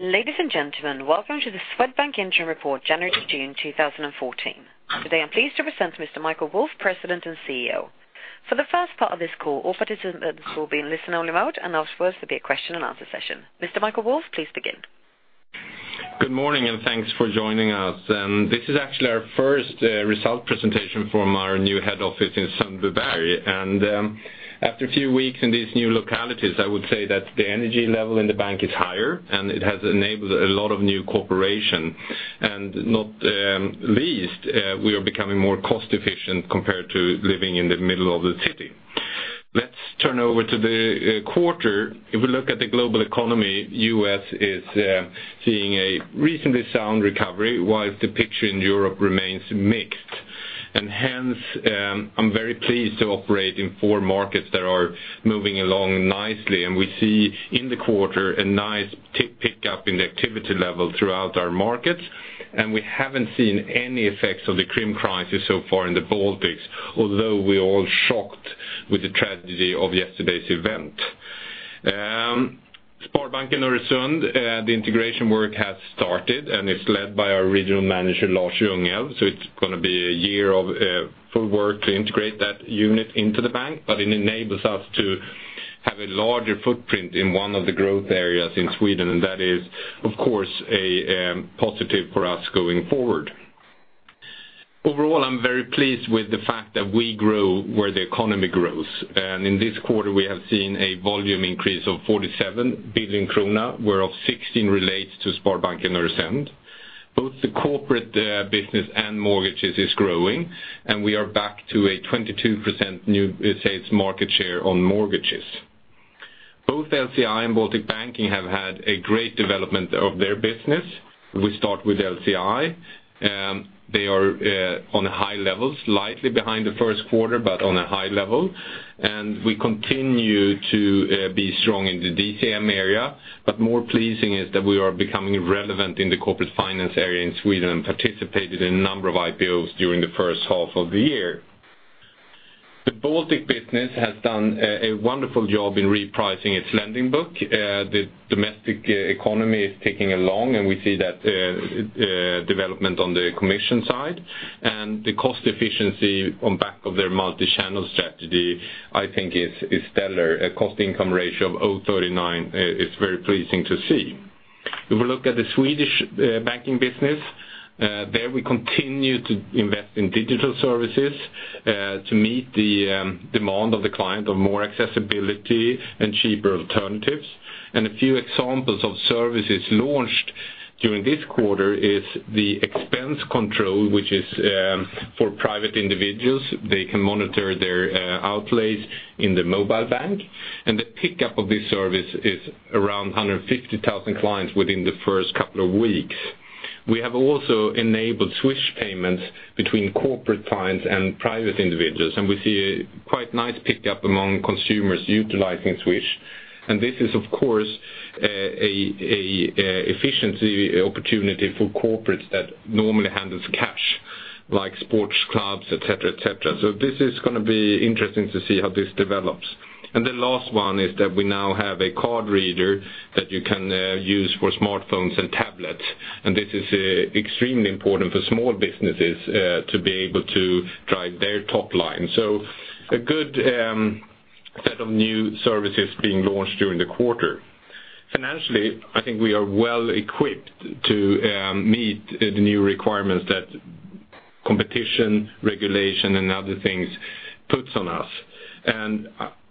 Ladies and gentlemen, welcome to the Swedbank Interim Report, January to June 2014. Today, I'm pleased to present Mr. Michael Wolf, President and CEO. For the first part of this call, all participants will be in listen-only mode, and afterwards there'll be a question-and-answer session. Mr. Michael Wolf, please begin. Good morning, and thanks for joining us. This is actually our first result presentation from our new head office in Sundbyberg. And, after a few weeks in these new localities, I would say that the energy level in the bank is higher, and it has enabled a lot of new cooperation. And not least, we are becoming more cost efficient compared to living in the middle of the city. Let's turn over to the quarter. If we look at the global economy, U.S. is seeing a recently sound recovery, while the picture in Europe remains mixed. Hence, I'm very pleased to operate in four markets that are moving along nicely, and we see in the quarter a nice pick up in the activity level throughout our markets, and we haven't seen any effects of the Crimea crisis so far in the Baltics, although we're all shocked with the tragedy of yesterday's event. Sparbanken Öresund, the integration work has started, and it's led by our regional manager, Lars Ljungälv. So it's gonna be a year of full work to integrate that unit into the bank, but it enables us to have a larger footprint in one of the growth areas in Sweden, and that is, of course, a positive for us going forward. Overall, I'm very pleased with the fact that we grow where the economy grows. In this quarter, we have seen a volume increase of 47 billion krona, whereof 16 billion relates to Sparbanken Öresund. Both the corporate business and mortgages is growing, and we are back to a 22% new sales market share on mortgages. Both LC&I and Baltic Banking have had a great development of their business. We start with LC&I. They are on a high level, slightly behind the first quarter, but on a high level. We continue to be strong in the DCM area, but more pleasing is that we are becoming relevant in the corporate finance area in Sweden and participated in a number of IPOs during the first half of the year. The Baltic business has done a wonderful job in repricing its lending book. The domestic economy is ticking along, and we see that development on the commission side. And the cost efficiency on back of their multi-channel strategy, I think is stellar. A cost-income ratio of 39 is very pleasing to see. If we look at the Swedish Banking business, there we continue to invest in digital services to meet the demand of the client of more accessibility and cheaper alternatives. And a few examples of services launched during this quarter is the expense control, which is for private individuals. They can monitor their outlays in the mobile bank, and the pickup of this service is around 150,000 clients within the first couple of weeks. We have also enabled Swish payments between corporate clients and private individuals, and we see a quite nice pickup among consumers utilizing Swish. This is, of course, a efficiency opportunity for corporates that normally handles cash, like sports clubs, et cetera, et cetera. So this is gonna be interesting to see how this develops. And the last one is that we now have a card reader that you can use for smartphones and tablets, and this is extremely important for small businesses to be able to drive their top line. So a good set of new services being launched during the quarter. Financially, I think we are well equipped to meet the new requirements that competition, regulation, and other things puts on us. And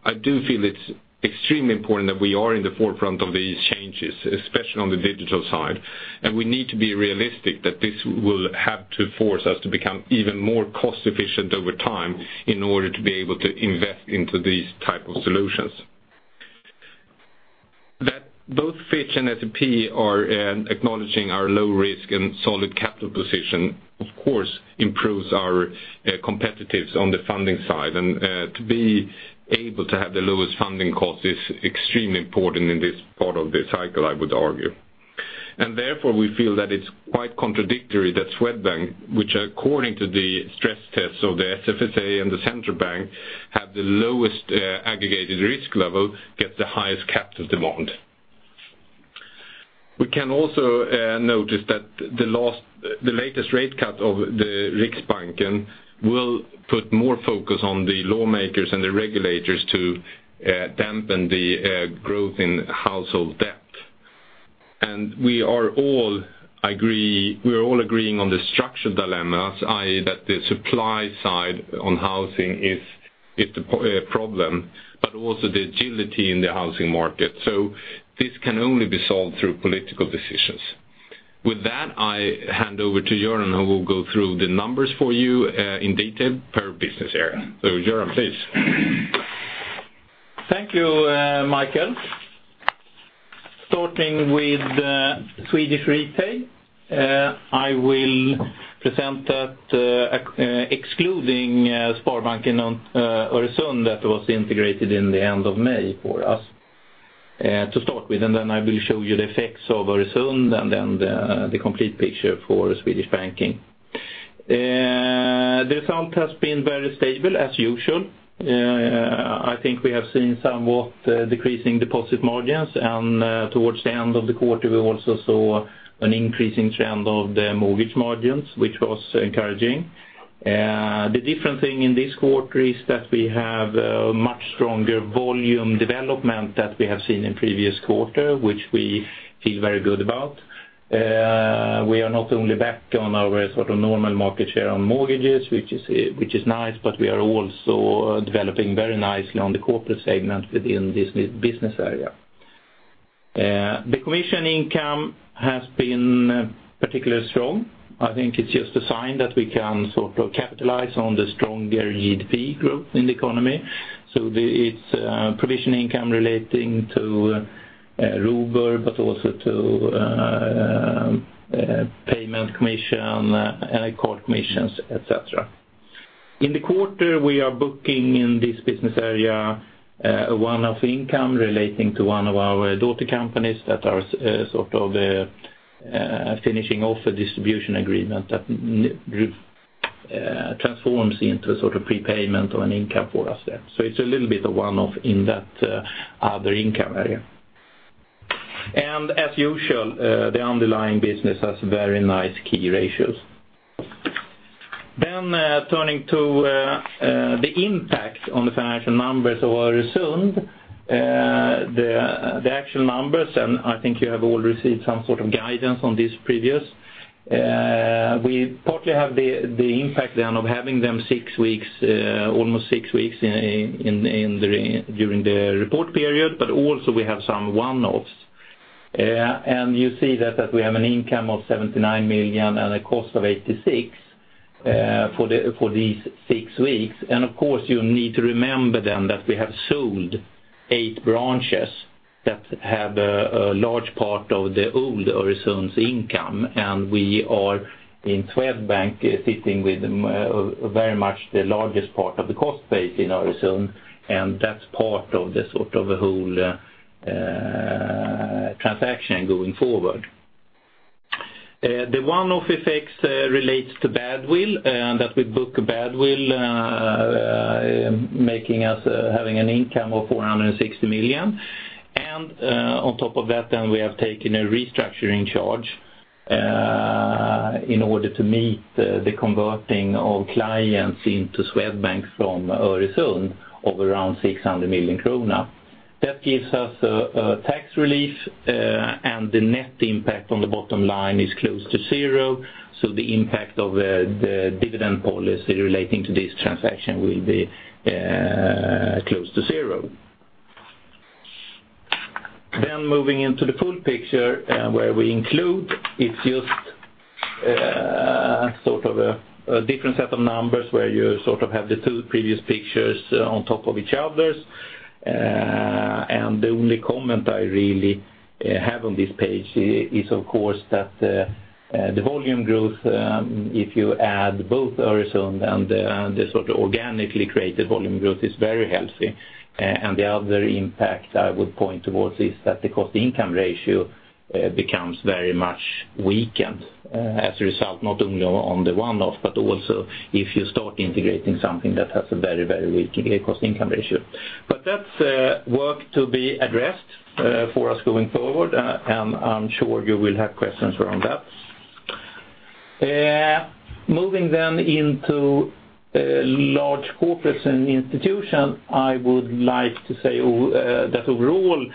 I do feel it's extremely important that we are in the forefront of these changes, especially on the digital side. We need to be realistic that this will have to force us to become even more cost efficient over time in order to be able to invest into these type of solutions. That both Fitch and S&P are acknowledging our low risk and solid capital position, of course, improves our competitiveness on the funding side. To be able to have the lowest funding cost is extremely important in this part of the cycle, I would argue. Therefore, we feel that it's quite contradictory that Swedbank, which according to the stress tests of the SFSA and the Central Bank, have the lowest aggregated risk level, get the highest capital demand. We can also notice that the last, the latest rate cut of the Riksbanken will put more focus on the lawmakers and the regulators to dampen the growth in household debt. We are all agreeing on the structural dilemmas, i.e., that the supply side on housing is the problem, but also the agility in the housing market. So this can only be solved through political decisions. With that, I hand over to Göran, who will go through the numbers for you in detail per business area. So Göran, please. Thank you, Michael. Starting with Swedish Retail, I will present that excluding Sparbanken Öresund that was integrated in the end of May for us to start with, and then I will show you the effects of Öresund, and then the complete picture for Swedish Banking. The result has been very stable, as usual. I think we have seen somewhat decreasing deposit margins, and towards the end of the quarter, we also saw an increasing trend of the mortgage margins, which was encouraging. The different thing in this quarter is that we have a much stronger volume development that we have seen in previous quarter, which we feel very good about. We are not only back on our sort of normal market share on mortgages, which is, which is nice, but we are also developing very nicely on the corporate segment within this business area. The commission income has been particularly strong. I think it's just a sign that we can sort of capitalize on the stronger GDP growth in the economy. So it's provision income relating to Robur but also to payment commission, and card commissions, et cetera. In the quarter, we are booking in this business area one-off income relating to one of our daughter companies that are sort of finishing off a distribution agreement that transforms into a sort of prepayment of an income for us there. So it's a little bit of one-off in that other income area. As usual, the underlying business has very nice key ratios. Then, turning to the impact on the financial numbers of our Öresund, the actual numbers, and I think you have all received some sort of guidance on this previously. We partly have the impact then of having them six weeks, almost six weeks in during the report period, but also we have some one-offs. You see that we have an income of 79 million and a cost of 86 million for these six weeks. Of course, you need to remember then that we have sold eight branches that have a large part of the old Öresund's income, and we are in Swedbank, sitting with very much the largest part of the cost base in Öresund, and that's part of the sort of a whole transaction going forward. The one-off effects relates to badwill, and that we book a badwill, making us having an income of 460 million. On top of that, then we have taken a restructuring charge in order to meet the converting of clients into Swedbank from Öresund of around 600 million krona. That gives us a tax relief, and the net impact on the bottom line is close to zero, so the impact of the dividend policy relating to this transaction will be close to zero. Then moving into the full picture, where we include, it's just sort of a different set of numbers where you sort of have the two previous pictures on top of each others. And the only comment I really have on this page is, of course, that the volume growth, if you add both Öresund and the sort of organically created volume growth, is very healthy. The other impact I would point towards is that the cost-income ratio becomes very much weakened as a result, not only on the one-off, but also if you start integrating something that has a very, very weak cost-income ratio. But that's work to be addressed for us going forward, and I'm sure you will have questions around that. Moving then into Large Corporates and Institutions, I would like to say that overall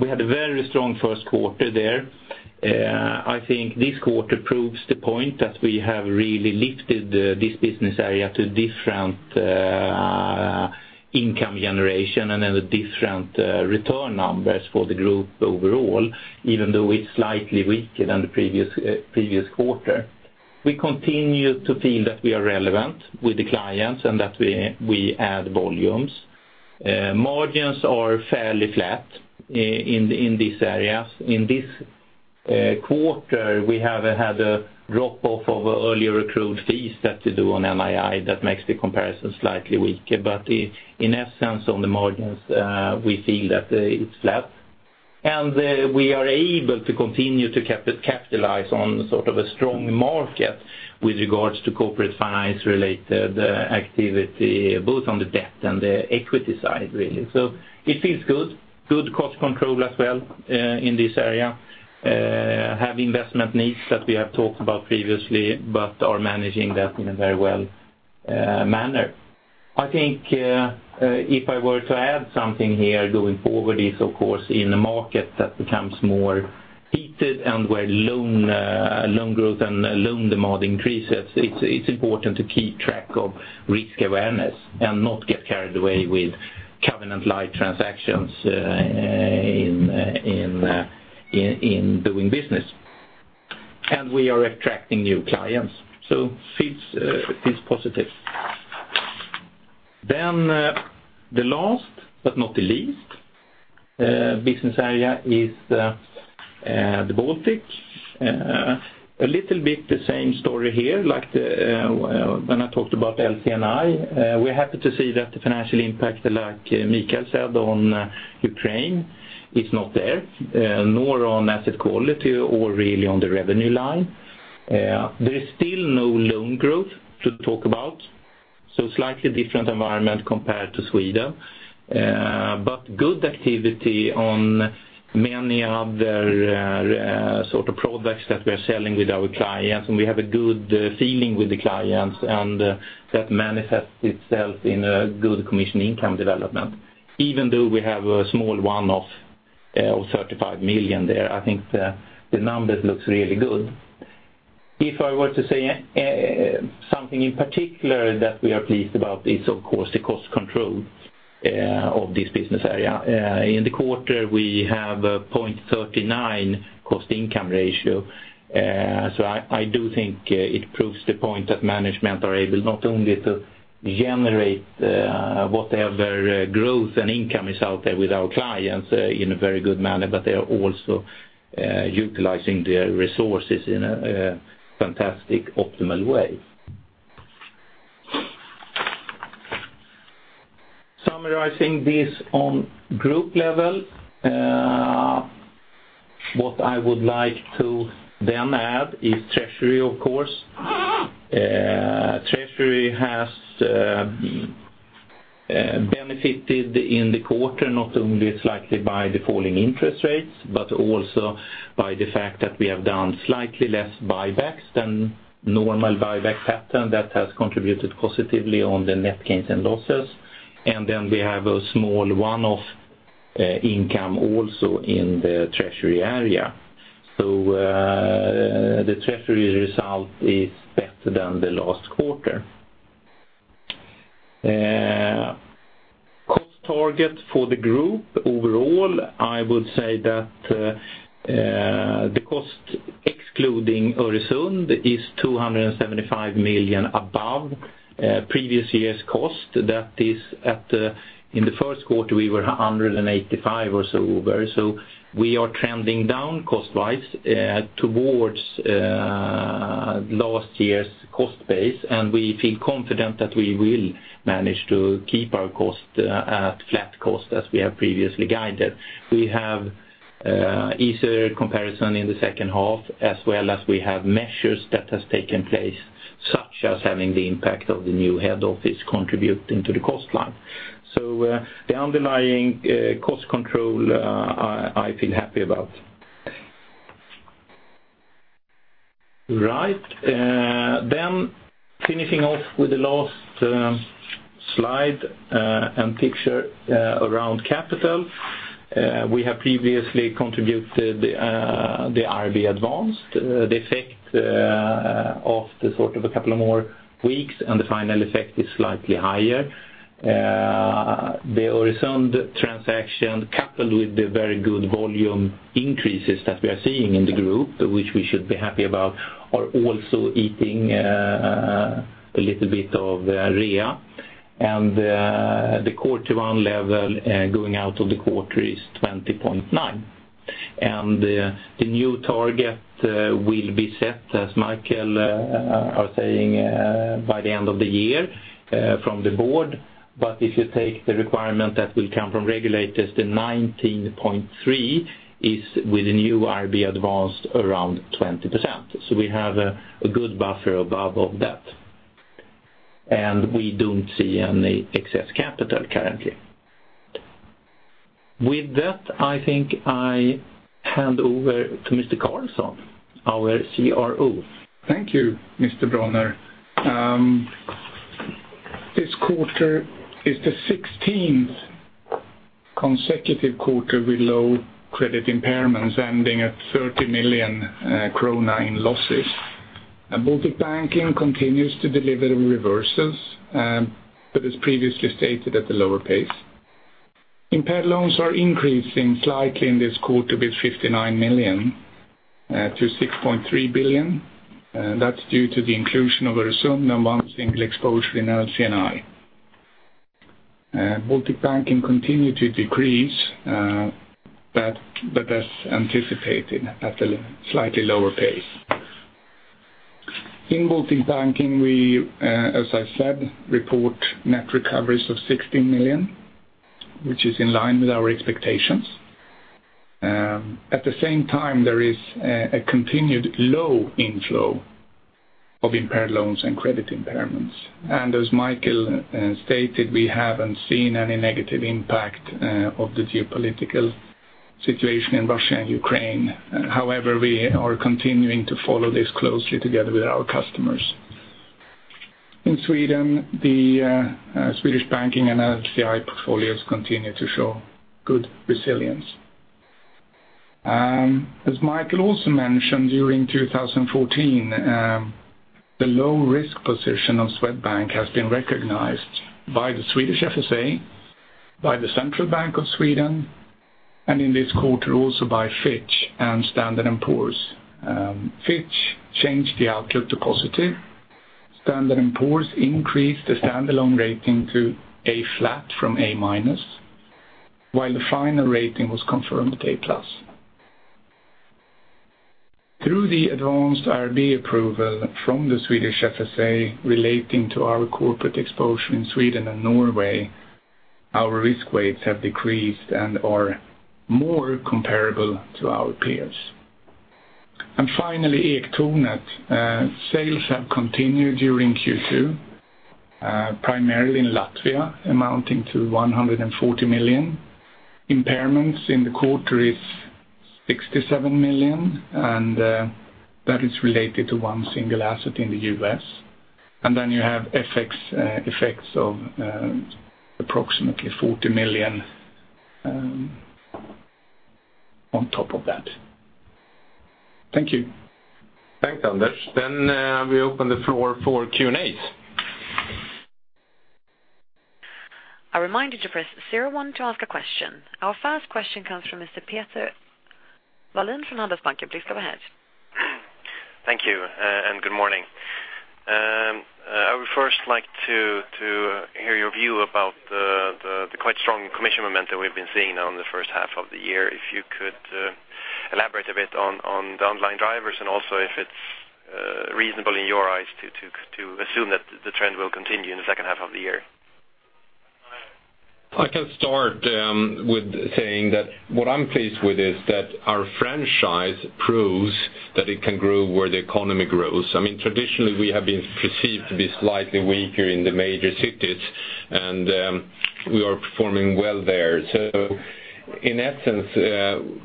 we had a very strong first quarter there. I think this quarter proves the point that we have really lifted this business area to different income generation and then a different return numbers for the group overall, even though it's slightly weaker than the previous previous quarter. We continue to feel that we are relevant with the clients and that we add volumes. Margins are fairly flat in this area. In this quarter, we have had a drop-off of earlier accrued fees that to do on NII, that makes the comparison slightly weaker. But in essence, on the margins, we feel that it's flat. And we are able to continue to capitalize on sort of a strong market with regards to corporate finance-related activity, both on the debt and the equity side, really. So it feels good. Good cost control as well in this area. Have investment needs that we have talked about previously, but are managing that in a very well manner. I think, if I were to add something here going forward, is of course, in a market that becomes more heated and where loan growth and loan demand increases, it's, it's important to keep track of risk awareness and not get carried away with covenant-lite transactions in doing business. And we are attracting new clients, so feels positive. Then, the last, but not the least, business area is the Baltics. A little bit the same story here, like the, when I talked about LC&I, we're happy to see that the financial impact, like Michael said, on Ukraine, is not there, nor on asset quality or really on the revenue line. There is still no loan growth to talk about. So slightly different environment compared to Sweden, but good activity on many other, sort of products that we are selling with our clients, and we have a good feeling with the clients, and that manifests itself in a good commission income development. Even though we have a small one-off of 35 million there, I think the, the numbers looks really good. If I were to say, something in particular that we are pleased about is, of course, the cost control, of this business area. In the quarter, we have a 0.39 cost income ratio, so I, I do think it proves the point that management are able not only to generate, whatever growth and income is out there with our clients, in a very good manner, but they are also, utilizing their resources in a, fantastic, optimal way. Summarizing this on group level, what I would like to then add is Treasury, of course. Treasury has benefited in the quarter, not only slightly by the falling interest rates, but also by the fact that we have done slightly less buybacks than normal buyback pattern that has contributed positively on the net gains and losses. And then we have a small one-off income also in the Treasury area. So, the Treasury result is better than the last quarter. Cost target for the group overall, I would say that the cost, excluding Öresund, is 275 million above previous year's cost. That is in the first quarter, we were 185 or so over. So we are trending down cost-wise, towards last year's cost base, and we feel confident that we will manage to keep our cost at flat cost as we have previously guided. We have easier comparison in the second half, as well as we have measures that has taken place, such as having the impact of the new head office contribute into the cost line. So, the underlying cost control, I, I feel happy about. Right, then finishing off with the last slide and picture around capital. We have previously contributed the IRB Advanced, the effect of the sort of a couple of more weeks, and the final effect is slightly higher. The Öresund transaction, coupled with the very good volume increases that we are seeing in the group, which we should be happy about, are also eating a little bit of REA. And the quarter one level going out of the quarter is 20.9. And the new target will be set, as Michael are saying, by the end of the year from the board. But if you take the requirement that will come from regulators, the 19.3 is with a new IRB Advanced around 20%. So we have a good buffer above of that, and we don't see any excess capital currently. With that, I think I hand over to Mr. Karlsson, our CRO. Thank you, Mr. Bronner. This quarter is the sixteenth consecutive quarter with low credit impairments, ending at 30 million krona in losses. Baltic Banking continues to deliver reversals, but as previously stated, at the lower pace. Impaired loans are increasing slightly in this quarter with 59 million to 6.3 billion. That's due to the inclusion of Öresund and one single exposure in LC&I. Baltic Banking continue to decrease, but as anticipated, at a slightly lower pace. In Baltic Banking, we, as I said, report net recoveries of 16 million, which is in line with our expectations. At the same time, there is a continued low inflow of impaired loans and credit impairments. As Michael stated, we haven't seen any negative impact of the geopolitical situation in Russia and Ukraine. However, we are continuing to follow this closely together with our customers. In Sweden, the Swedish Banking and LC&I portfolios continue to show good resilience. As Michael also mentioned, during 2014, the low risk position of Swedbank has been recognized by the Swedish FSA, by the Central Bank of Sweden, and in this quarter, also by Fitch and Standard & Poor's. Fitch changed the outlook to positive. Standard & Poor's increased the stand-alone rating to A flat from A minus, while the final rating was confirmed at A plus. Through the advanced IRB approval from the Swedish FSA, relating to our corporate exposure in Sweden and Norway, our risk weights have decreased and are more comparable to our peers. ... And finally, Ektornet, sales have continued during Q2, primarily in Latvia, amounting to 140 million. Impairments in the quarter is 67 million, and that is related to one single asset in the US. And then you have FX effects of approximately SEK 40 million on top of that. Thank you. Thanks, Anders. Then, we open the floor for Q&A. A reminder to press zero one to ask a question. Our first question comes from Mr. Peter Wallin from Handelsbanken. Please go ahead. Thank you, and good morning. I would first like to hear your view about the quite strong commission momentum we've been seeing on the first half of the year. If you could elaborate a bit on the underlying drivers, and also if it's reasonable in your eyes to assume that the trend will continue in the second half of the year? I can start with saying that what I'm pleased with is that our franchise proves that it can grow where the economy grows. I mean, traditionally, we have been perceived to be slightly weaker in the major cities, and we are performing well there. So in essence,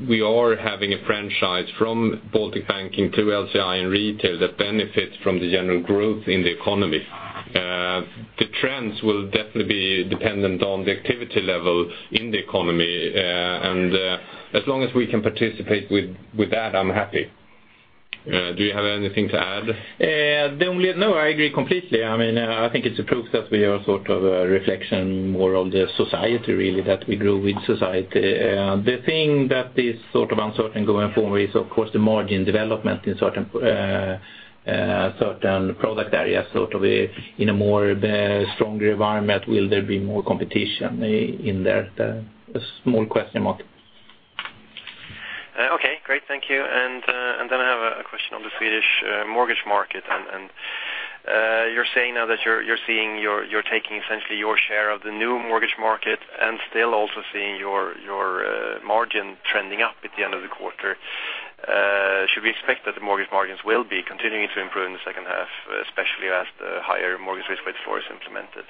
we are having a franchise from Baltic banking through LC&I and retail that benefits from the general growth in the economy. The trends will definitely be dependent on the activity level in the economy, and as long as we can participate with, with that, I'm happy. Do you have anything to add? No, I agree completely. I mean, I think it's a proof that we are sort of a reflection more of the society, really, that we grow with society. The thing that is sort of uncertain going forward is, of course, the margin development in certain certain product areas. Sort of in a more stronger environment, will there be more competition in there? A small question mark. Okay, great. Thank you. And then I have a question on the Swedish mortgage market. And you're saying now that you're seeing, you're taking essentially your share of the new mortgage market and still also seeing your margin trending up at the end of the quarter. Should we expect that the mortgage margins will be continuing to improve in the second half, especially as the higher mortgage risk weight floor is implemented?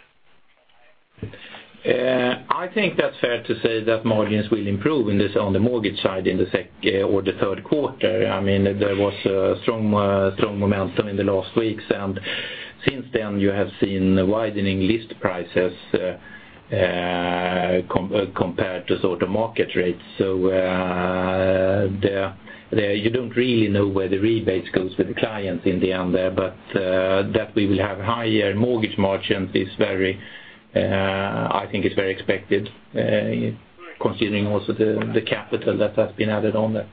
I think that's fair to say that margins will improve in this, on the mortgage side, in the second or the third quarter. I mean, there was a strong, strong momentum in the last weeks, and since then, you have seen widening list prices, compared to sort of market rates. So, you don't really know where the rebates goes with the clients in the end there, but, that we will have higher mortgage margins is very, I think is very expected, considering also the capital that has been added on there.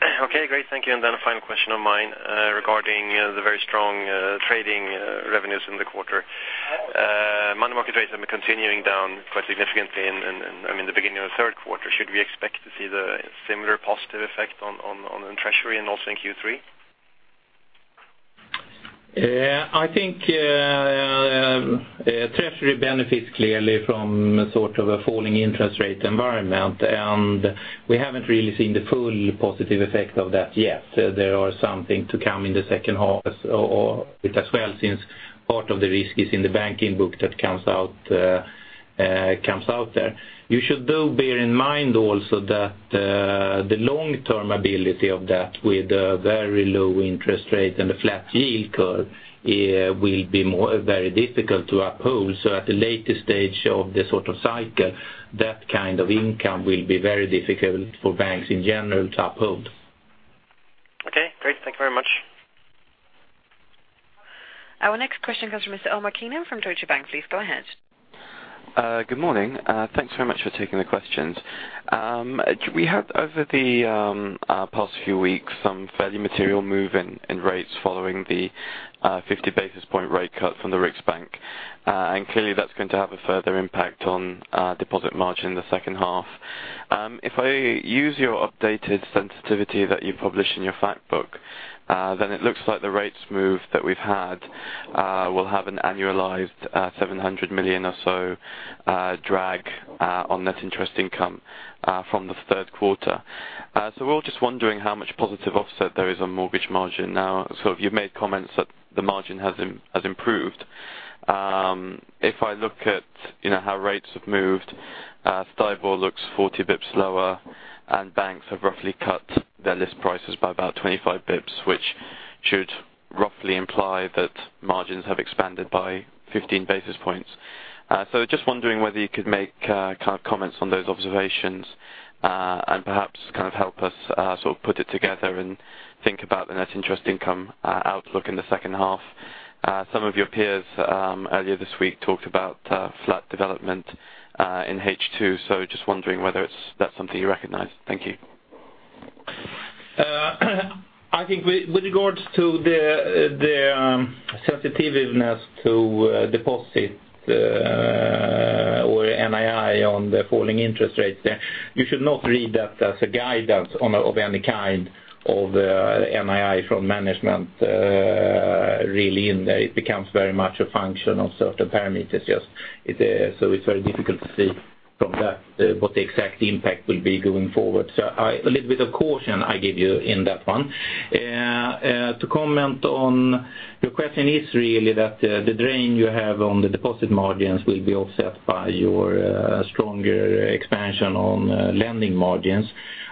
Okay, great. Thank you. And then a final question of mine, regarding the very strong, trading, revenues in the quarter. Money market rates have been continuing down quite significantly in, in, in the beginning of the third quarter. Should we expect to see the similar positive effect on, on, on treasury and also in Q3? I think, treasury benefits clearly from a sort of a falling interest rate environment, and we haven't really seen the full positive effect of that yet. There are something to come in the second half or, or as well, since part of the risk is in the banking book that comes out, comes out there. You should though bear in mind also that, the long-term ability of that with a very low interest rate and a flat yield curve, will be more very difficult to uphold. So at the later stage of the sort of cycle, that kind of income will be very difficult for banks in general to uphold. Okay, great. Thank you very much. Our next question comes from Mr. Omar Keenan from Deutsche Bank. Please go ahead. Good morning. Thanks very much for taking the questions. We had, over the past few weeks, some fairly material move in rates following the 50 basis point rate cut from the Riksbanken. And clearly, that's going to have a further impact on deposit margin in the second half. If I use your updated sensitivity that you published in your fact book, then it looks like the rates move that we've had will have an annualized 700 million or so drag on net interest income from the third quarter. So we're all just wondering how much positive offset there is on mortgage margin now. So you've made comments that the margin has improved. If I look at, you know, how rates have moved, STIBOR looks 40 basis points lower, and banks have roughly cut their list prices by about 25 basis points, which should roughly imply that margins have expanded by 15 basis points. So just wondering whether you could make kind of comments on those observations, and perhaps kind of help us sort of put it together and think about the net interest income outlook in the second half. Some of your peers earlier this week talked about flat development in H2, so just wondering whether that's something you recognize. Thank you. I think with regards to the sensitivity to deposit or NII on the falling interest rates, you should not read that as a guidance on any kind of NII from management. Really, in there, it becomes very much a function of certain parameters. So it's very difficult to see from that what the exact impact will be going forward. So, a little bit of caution I give you in that one. To comment on your question is really that the drain you have on the deposit margins will be offset by your stronger expansion on lending margins.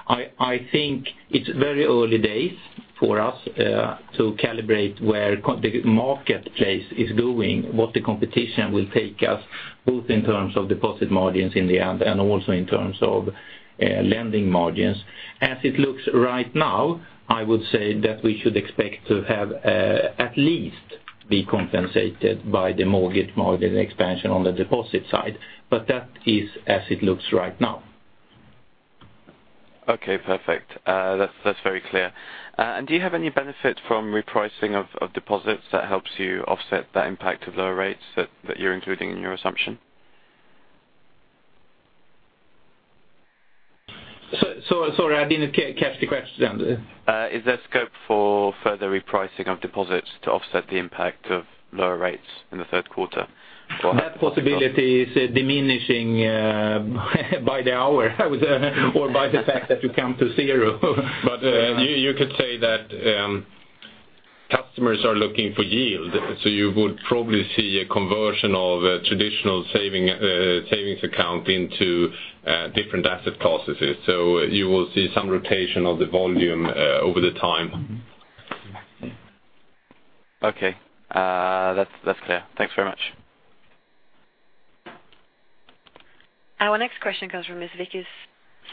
I think it's very early days for us to calibrate where the marketplace is going, what the competition will take us, both in terms of deposit margins in the end, and also in terms of lending margins. As it looks right now, I would say that we should expect to have at least be compensated by the mortgage margin expansion on the deposit side, but that is as it looks right now. Okay, perfect. That's, that's very clear. And do you have any benefit from repricing of, of deposits that helps you offset the impact of lower rates that, that you're including in your assumption? Sorry, I didn't catch the question. Is there scope for further repricing of deposits to offset the impact of lower rates in the third quarter? That possibility is diminishing by the hour or by the fact that you come to zero. You could say that customers are looking for yield, so you would probably see a conversion of traditional savings account into different asset classes. So you will see some rotation of the volume over the time. Mm-hmm. Okay, that's, that's clear. Thanks very much. Our next question comes from Ms. Viki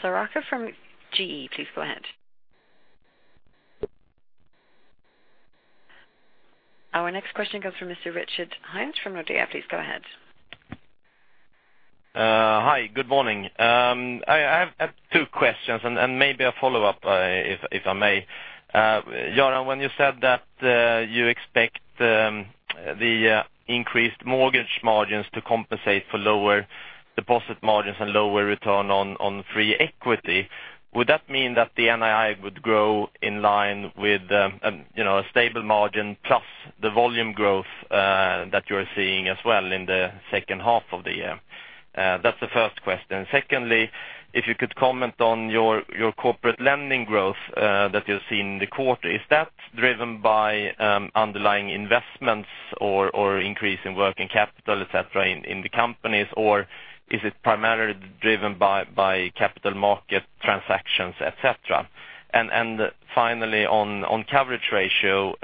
Sarak from GE. Please go ahead. Our next question comes from Mr. Richard Hines from RBC. Please go ahead. Hi, good morning. I have two questions and maybe a follow-up, if I may. Göran, when you said that you expect the increased mortgage margins to compensate for lower deposit margins and lower return on free equity, would that mean that the NII would grow in line with, you know, a stable margin, plus the volume growth that you're seeing as well in the second half of the year? That's the first question. Secondly, if you could comment on your corporate lending growth that you've seen in the quarter. Is that driven by underlying investments or increase in working capital, et cetera, in the companies? Or is it primarily driven by capital market transactions, et cetera? And finally, on coverage ratio,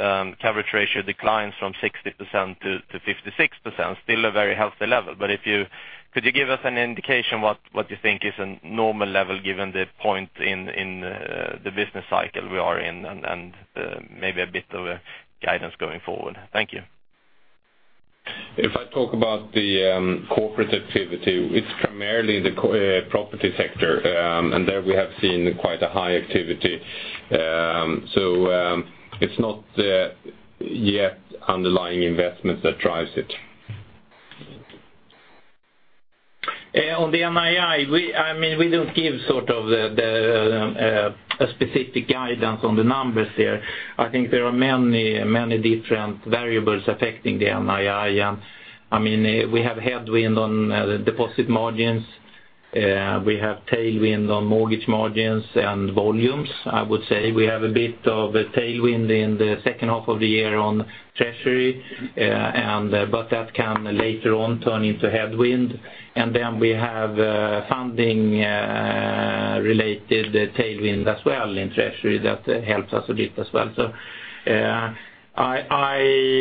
coverage ratio declines from 60% to 56%, still a very healthy level. But if you could you give us an indication what you think is a normal level given the point in the business cycle we are in, and maybe a bit of a guidance going forward? Thank you. If I talk about the corporate activity, it's primarily the property sector, and there we have seen quite a high activity. So, it's not yet underlying investment that drives it. On the NII, we, I mean, we don't give sort of the, the, a specific guidance on the numbers here. I think there are many, many different variables affecting the NII. And, I mean, we have headwind on, the deposit margins, we have tailwind on mortgage margins and volumes. I would say we have a bit of a tailwind in the second half of the year on treasury, and, but that can later on turn into headwind. And then we have, funding, related tailwind as well in treasury that helps us a bit as well. So, I, I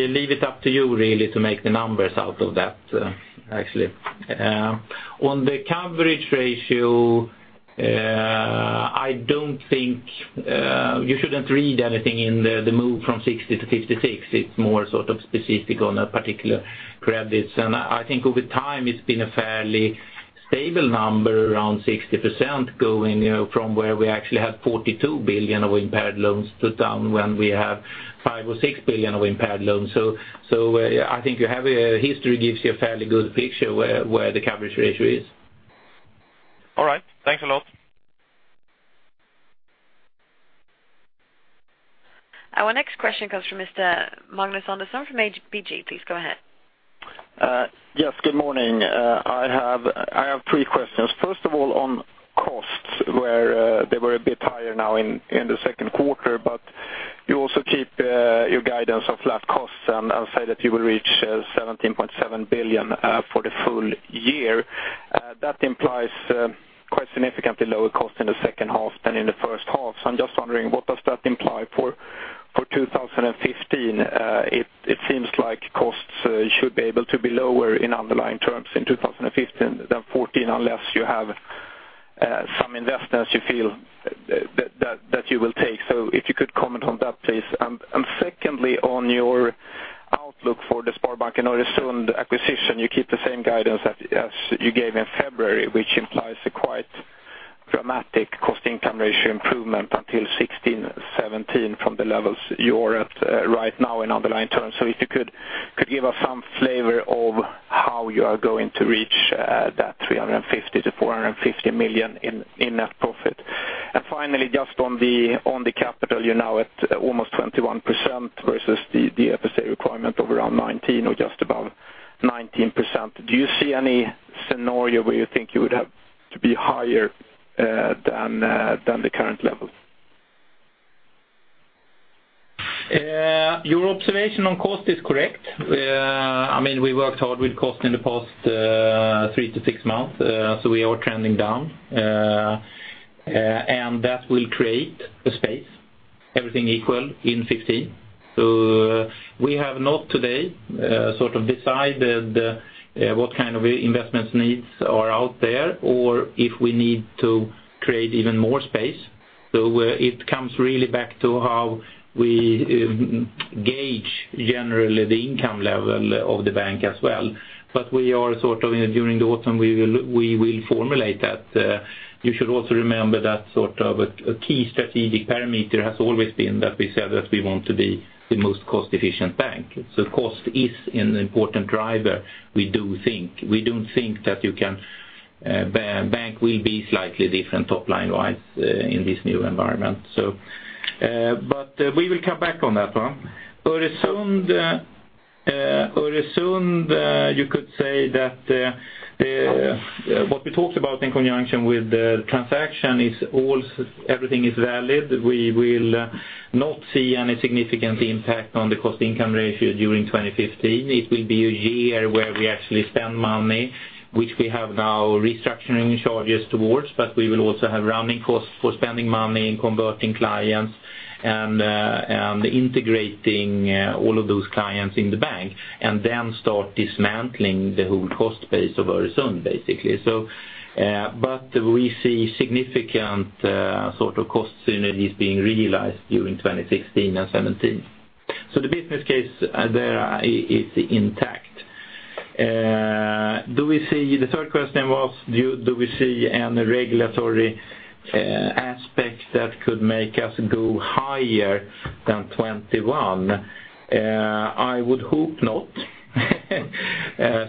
leave it up to you really to make the numbers out of that, actually. On the coverage ratio, I don't think, you shouldn't read anything in the, the move from 60 to 56. It's more sort of specific on a particular credits. And I think over time, it's been a fairly stable number, around 60%, going, you know, from where we actually had 42 billion of impaired loans to down when we have 5 billion or 6 billion of impaired loans. So, I think you have a history gives you a fairly good picture where the coverage ratio is. All right. Thanks a lot. Our next question comes from Mr. Magnus Andersson from ABG. Please go ahead. Yes, good morning. I have three questions. First of all, on costs, where they were a bit higher now in the second quarter, but you also keep your guidance of flat costs, and I'll say that you will reach 17.7 billion for the full year. That implies quite significantly lower cost in the second half than in the first half. So I'm just wondering, what does that imply for 2015? It seems like costs should be able to be lower in underlying terms in 2015 than 2014, unless you have some investments you feel that you will take. So if you could comment on that, please. And secondly, on your outlook for the Sparbanken Öresund acquisition, you keep the same guidance as you gave in February, which implies a quite dramatic cost-income ratio improvement until 2016, 2017 from the levels you're at right now in underlying terms. So if you could give us some flavor of how you are going to reach that 350 million-450 million in net profit? And finally, just on the capital, you're now at almost 21% versus the FSA requirement of around 19% or just above 19%. Do you see any scenario where you think you would have to be higher than the current level? Your observation on cost is correct. I mean, we worked hard with cost in the past 3-6 months, so we are trending down. And that will create a space, everything equal in 15. So we have not today sort of decided what kind of investments needs are out there, or if we need to create even more space. So it comes really back to how we gauge generally the income level of the bank as well. But we are sort of, during the autumn, we will, we will formulate that. You should also remember that sort of a key strategic parameter has always been that we said that we want to be the most cost-efficient bank. So cost is an important driver. We do think that you can, bank will be slightly different top line wise, in this new environment. We will come back on that one. Öresund, Öresund, you could say that what we talked about in conjunction with the transaction is all, everything is valid. We will not see any significant impact on the cost income ratio during 2015. It will be a year where we actually spend money, which we have now restructuring charges towards, but we will also have running costs for spending money, converting clients, and integrating all of those clients in the bank, and then start dismantling the whole cost base of Öresund, basically. We see significant, sort of cost synergies being realized during 2016 and 2017. The business case there is intact. Do we see—the third question was, do you, do we see any regulatory aspects that could make us go higher than 21? I would hope not.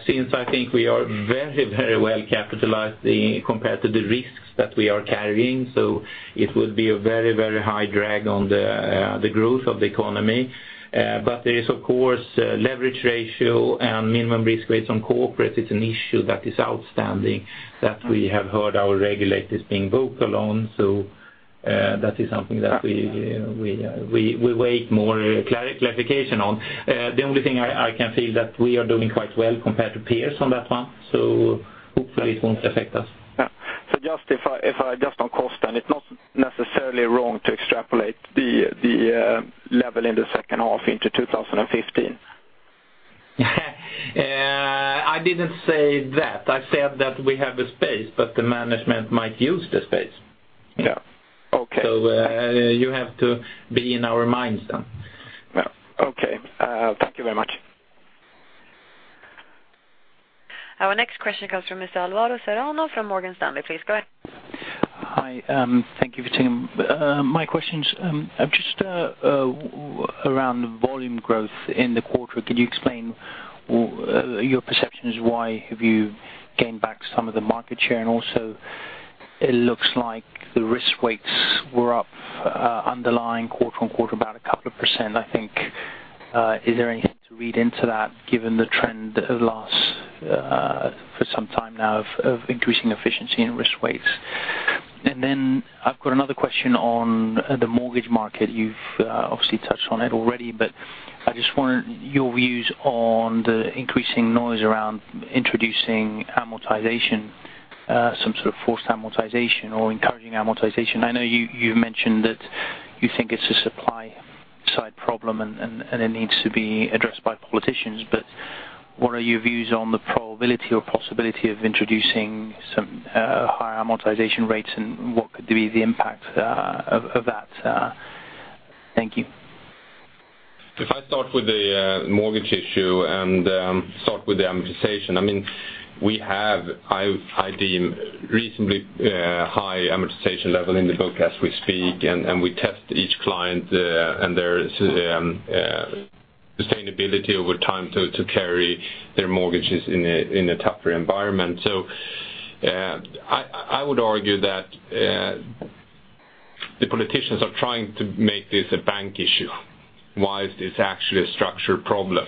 Since I think we are very, very well capitalized compared to the risks that we are carrying, so it would be a very, very high drag on the growth of the economy. But there is, of course, leverage ratio and minimum risk rates on corporate. It's an issue that is outstanding, that we have heard our regulators being vocal on. So, that is something that we wait more clarification on. The only thing I can feel that we are doing quite well compared to peers on that one, so hopefully it won't affect us. Yeah. So just if I just on cost, then it's not necessarily wrong to extrapolate the level in the second half into 2015? I didn't say that. I said that we have the space, but the management might use the space. Yeah. Okay. So, you have to be in our minds then. Well, okay. Thank you very much. Our next question comes from Mr. Alvaro Serrano from Morgan Stanley. Please go ahead. Hi, thank you for taking my questions. Just around volume growth in the quarter, could you explain your perceptions, why have you gained back some of the market share? And also, it looks like the risk weights were up underlying quarter-on-quarter, about a couple of percent, I think. Is there anything to read into that, given the trend of last for some time now of increasing efficiency and risk weights? And then I've got another question on the mortgage market. You've obviously touched on it already, but I just want your views on the increasing noise around introducing amortization, some sort of forced amortization or encouraging amortization. I know you, you mentioned that you think it's a supply side problem, and it needs to be addressed by politicians, but what are your views on the probability or possibility of introducing some higher amortization rates, and what could be the impact of that? Thank you. If I start with the mortgage issue and start with the amortization, I mean, we have I deem reasonably high amortization level in the book as we speak, and we test each client and their sustainability over time to carry their mortgages in a tougher environment. So, I would argue that the politicians are trying to make this a bank issue, while it's actually a structural problem.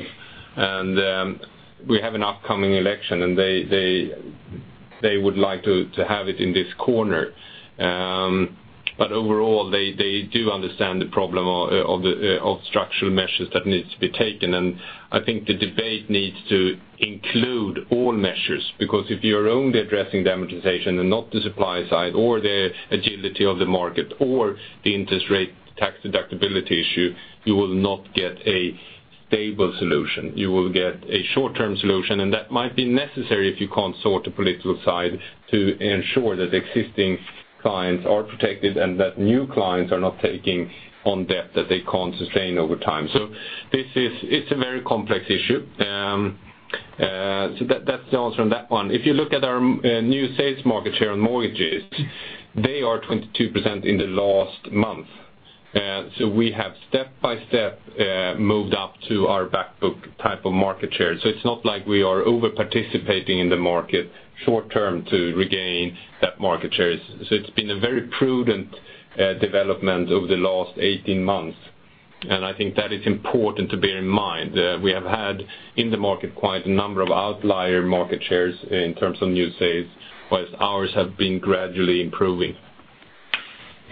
And we have an upcoming election, and they would like to have it in this corner. But overall, they do understand the problem of the structural measures that needs to be taken. And I think the debate needs to include all measures, because if you're only addressing the amortization and not the supply side, or the agility of the market, or the interest rate tax deductibility issue, you will not get a stable solution. You will get a short-term solution, and that might be necessary if you can't sort the political side to ensure that existing clients are protected and that new clients are not taking on debt that they can't sustain over time. So this is, it's a very complex issue. That's the answer on that one. If you look at our new sales market share on mortgages, they are 22% in the last month.... So we have step by step, moved up to our back book type of market share. So it's not like we are over participating in the market short term to regain that market shares. So it's been a very prudent, development over the last 18 months, and I think that is important to bear in mind. We have had in the market quite a number of outlier market shares in terms of new sales, while ours have been gradually improving.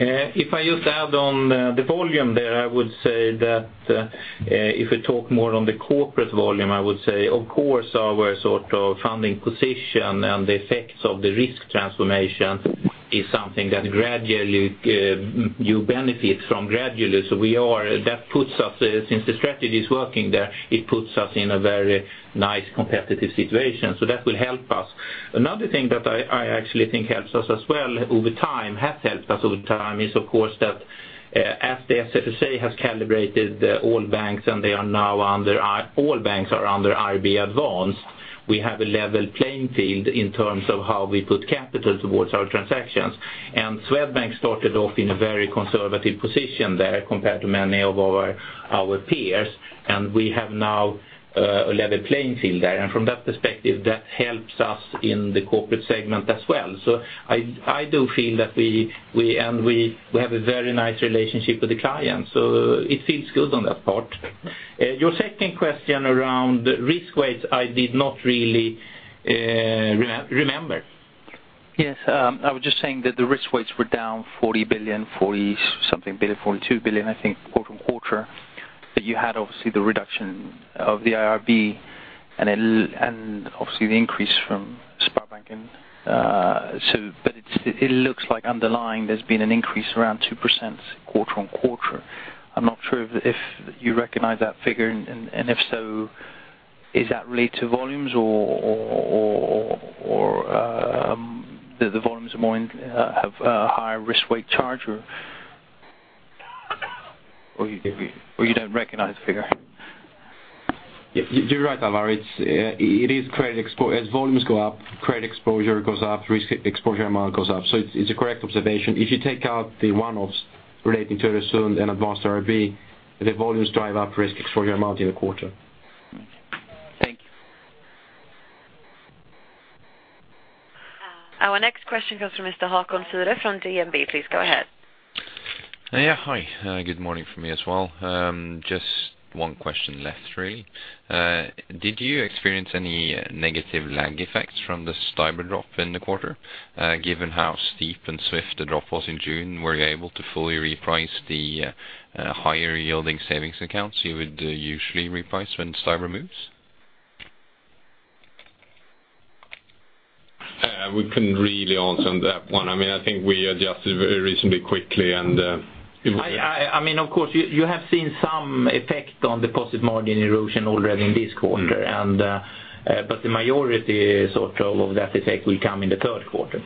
If I just add on the volume there, I would say that, if we talk more on the corporate volume, I would say, of course, our sort of funding position and the effects of the risk transformation is something that gradually you benefit from gradually. That puts us, since the strategy is working there, it puts us in a very nice competitive situation, so that will help us. Another thing that I actually think helps us as well over time, has helped us over time, is, of course, that, as the SFSA has calibrated all banks, and they are now under IRB Advanced. All banks are under IRB Advanced. We have a level playing field in terms of how we put capital towards our transactions. Swedbank started off in a very conservative position there compared to many of our peers, and we have now a level playing field there. From that perspective, that helps us in the corporate segment as well. So I do feel that we have a very nice relationship with the clients, so it feels good on that part. Your second question around risk weights, I did not really remember. Yes, I was just saying that the risk weights were down 40 billion, 40-something billion, 42 billion, I think, quarter-on-quarter, that you had obviously the reduction of the IRB, and obviously the increase from Sparbanken. So but it's, it looks like underlying there's been an increase around 2% quarter-on-quarter. I'm not sure if you recognize that figure, and if so, is that related to volumes or the volumes are more in have higher risk weight charge or? Or you don't recognize the figure. You're right, Alvaro. It's it is credit exposure as volumes go up, credit exposure goes up, risk exposure amount goes up. So it's a correct observation. If you take out the one-offs relating to the assumed and advanced IRB, the volumes drive up risk exposure amount in the quarter. Thank you. Our next question comes from Mr. Håkon Hansen from DNB. Please go ahead. Yeah, hi. Good morning from me as well. Just one question left, really. Did you experience any negative lag effects from the STIBOR drop in the quarter? Given how steep and swift the drop was in June, were you able to fully reprice the higher yielding savings accounts you would usually reprice when STIBOR moves? We couldn't really answer on that one. I mean, I think we adjusted very reasonably quickly, and I mean, of course, you have seen some effect on deposit margin erosion already in this quarter, and but the majority sort of that effect will come in the third quarter.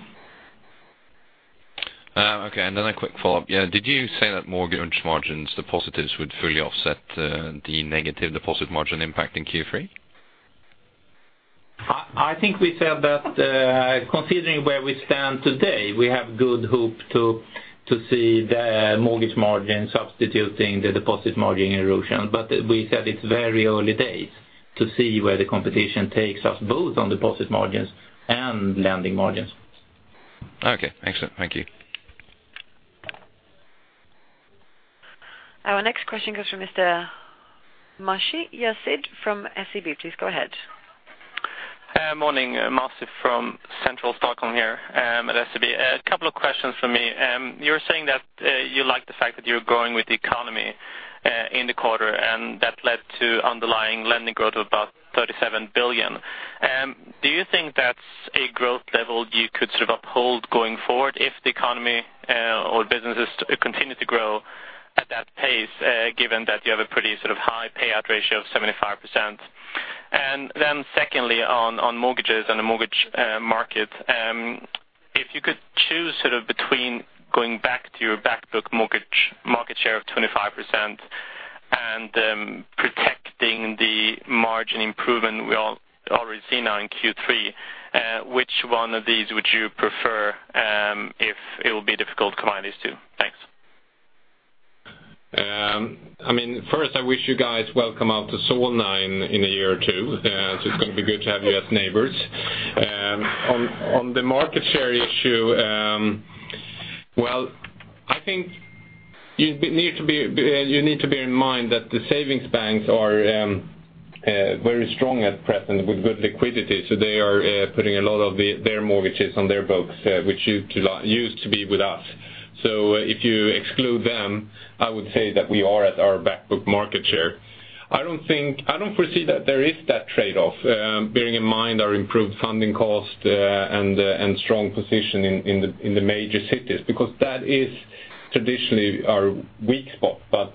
Okay, and then a quick follow-up. Yeah, did you say that mortgage margins, the positives, would fully offset the negative deposit margin impact in Q3? I think we said that, considering where we stand today, we have good hope to see the mortgage margin substituting the deposit margin erosion, but we said it's very early days to see where the competition takes us, both on deposit margins and lending margins. Okay, excellent. Thank you. Our next question comes from Mr. Masih Yazdi from SEB. Please go ahead. Morning, Masih from Central Stockholm here, at SEB. A couple of questions for me. You were saying that you like the fact that you're growing with the economy in the quarter, and that led to underlying lending growth of about 37 billion. Do you think that's a growth level you could sort of uphold going forward if the economy or businesses continue to grow at that pace, given that you have a pretty sort of high payout ratio of 75%? And then secondly, on mortgages and the mortgage market, if you could choose sort of between going back to your back book mortgage market share of 25% and protecting the margin improvement we all already see now in Q3, which one of these would you prefer, if it will be difficult to combine these two? Thanks. I mean, first, I wish you guys welcome out to Solna in a year or two. So it's going to be good to have you as neighbors. On the market share issue, well, I think you need to bear in mind that the savings banks are very strong at present with good liquidity, so they are putting a lot of their mortgages on their books, which used to be with us. So if you exclude them, I would say that we are at our back book market share. I don't foresee that there is that trade-off, bearing in mind our improved funding cost, and strong position in the major cities, because that is traditionally our weak spot. But,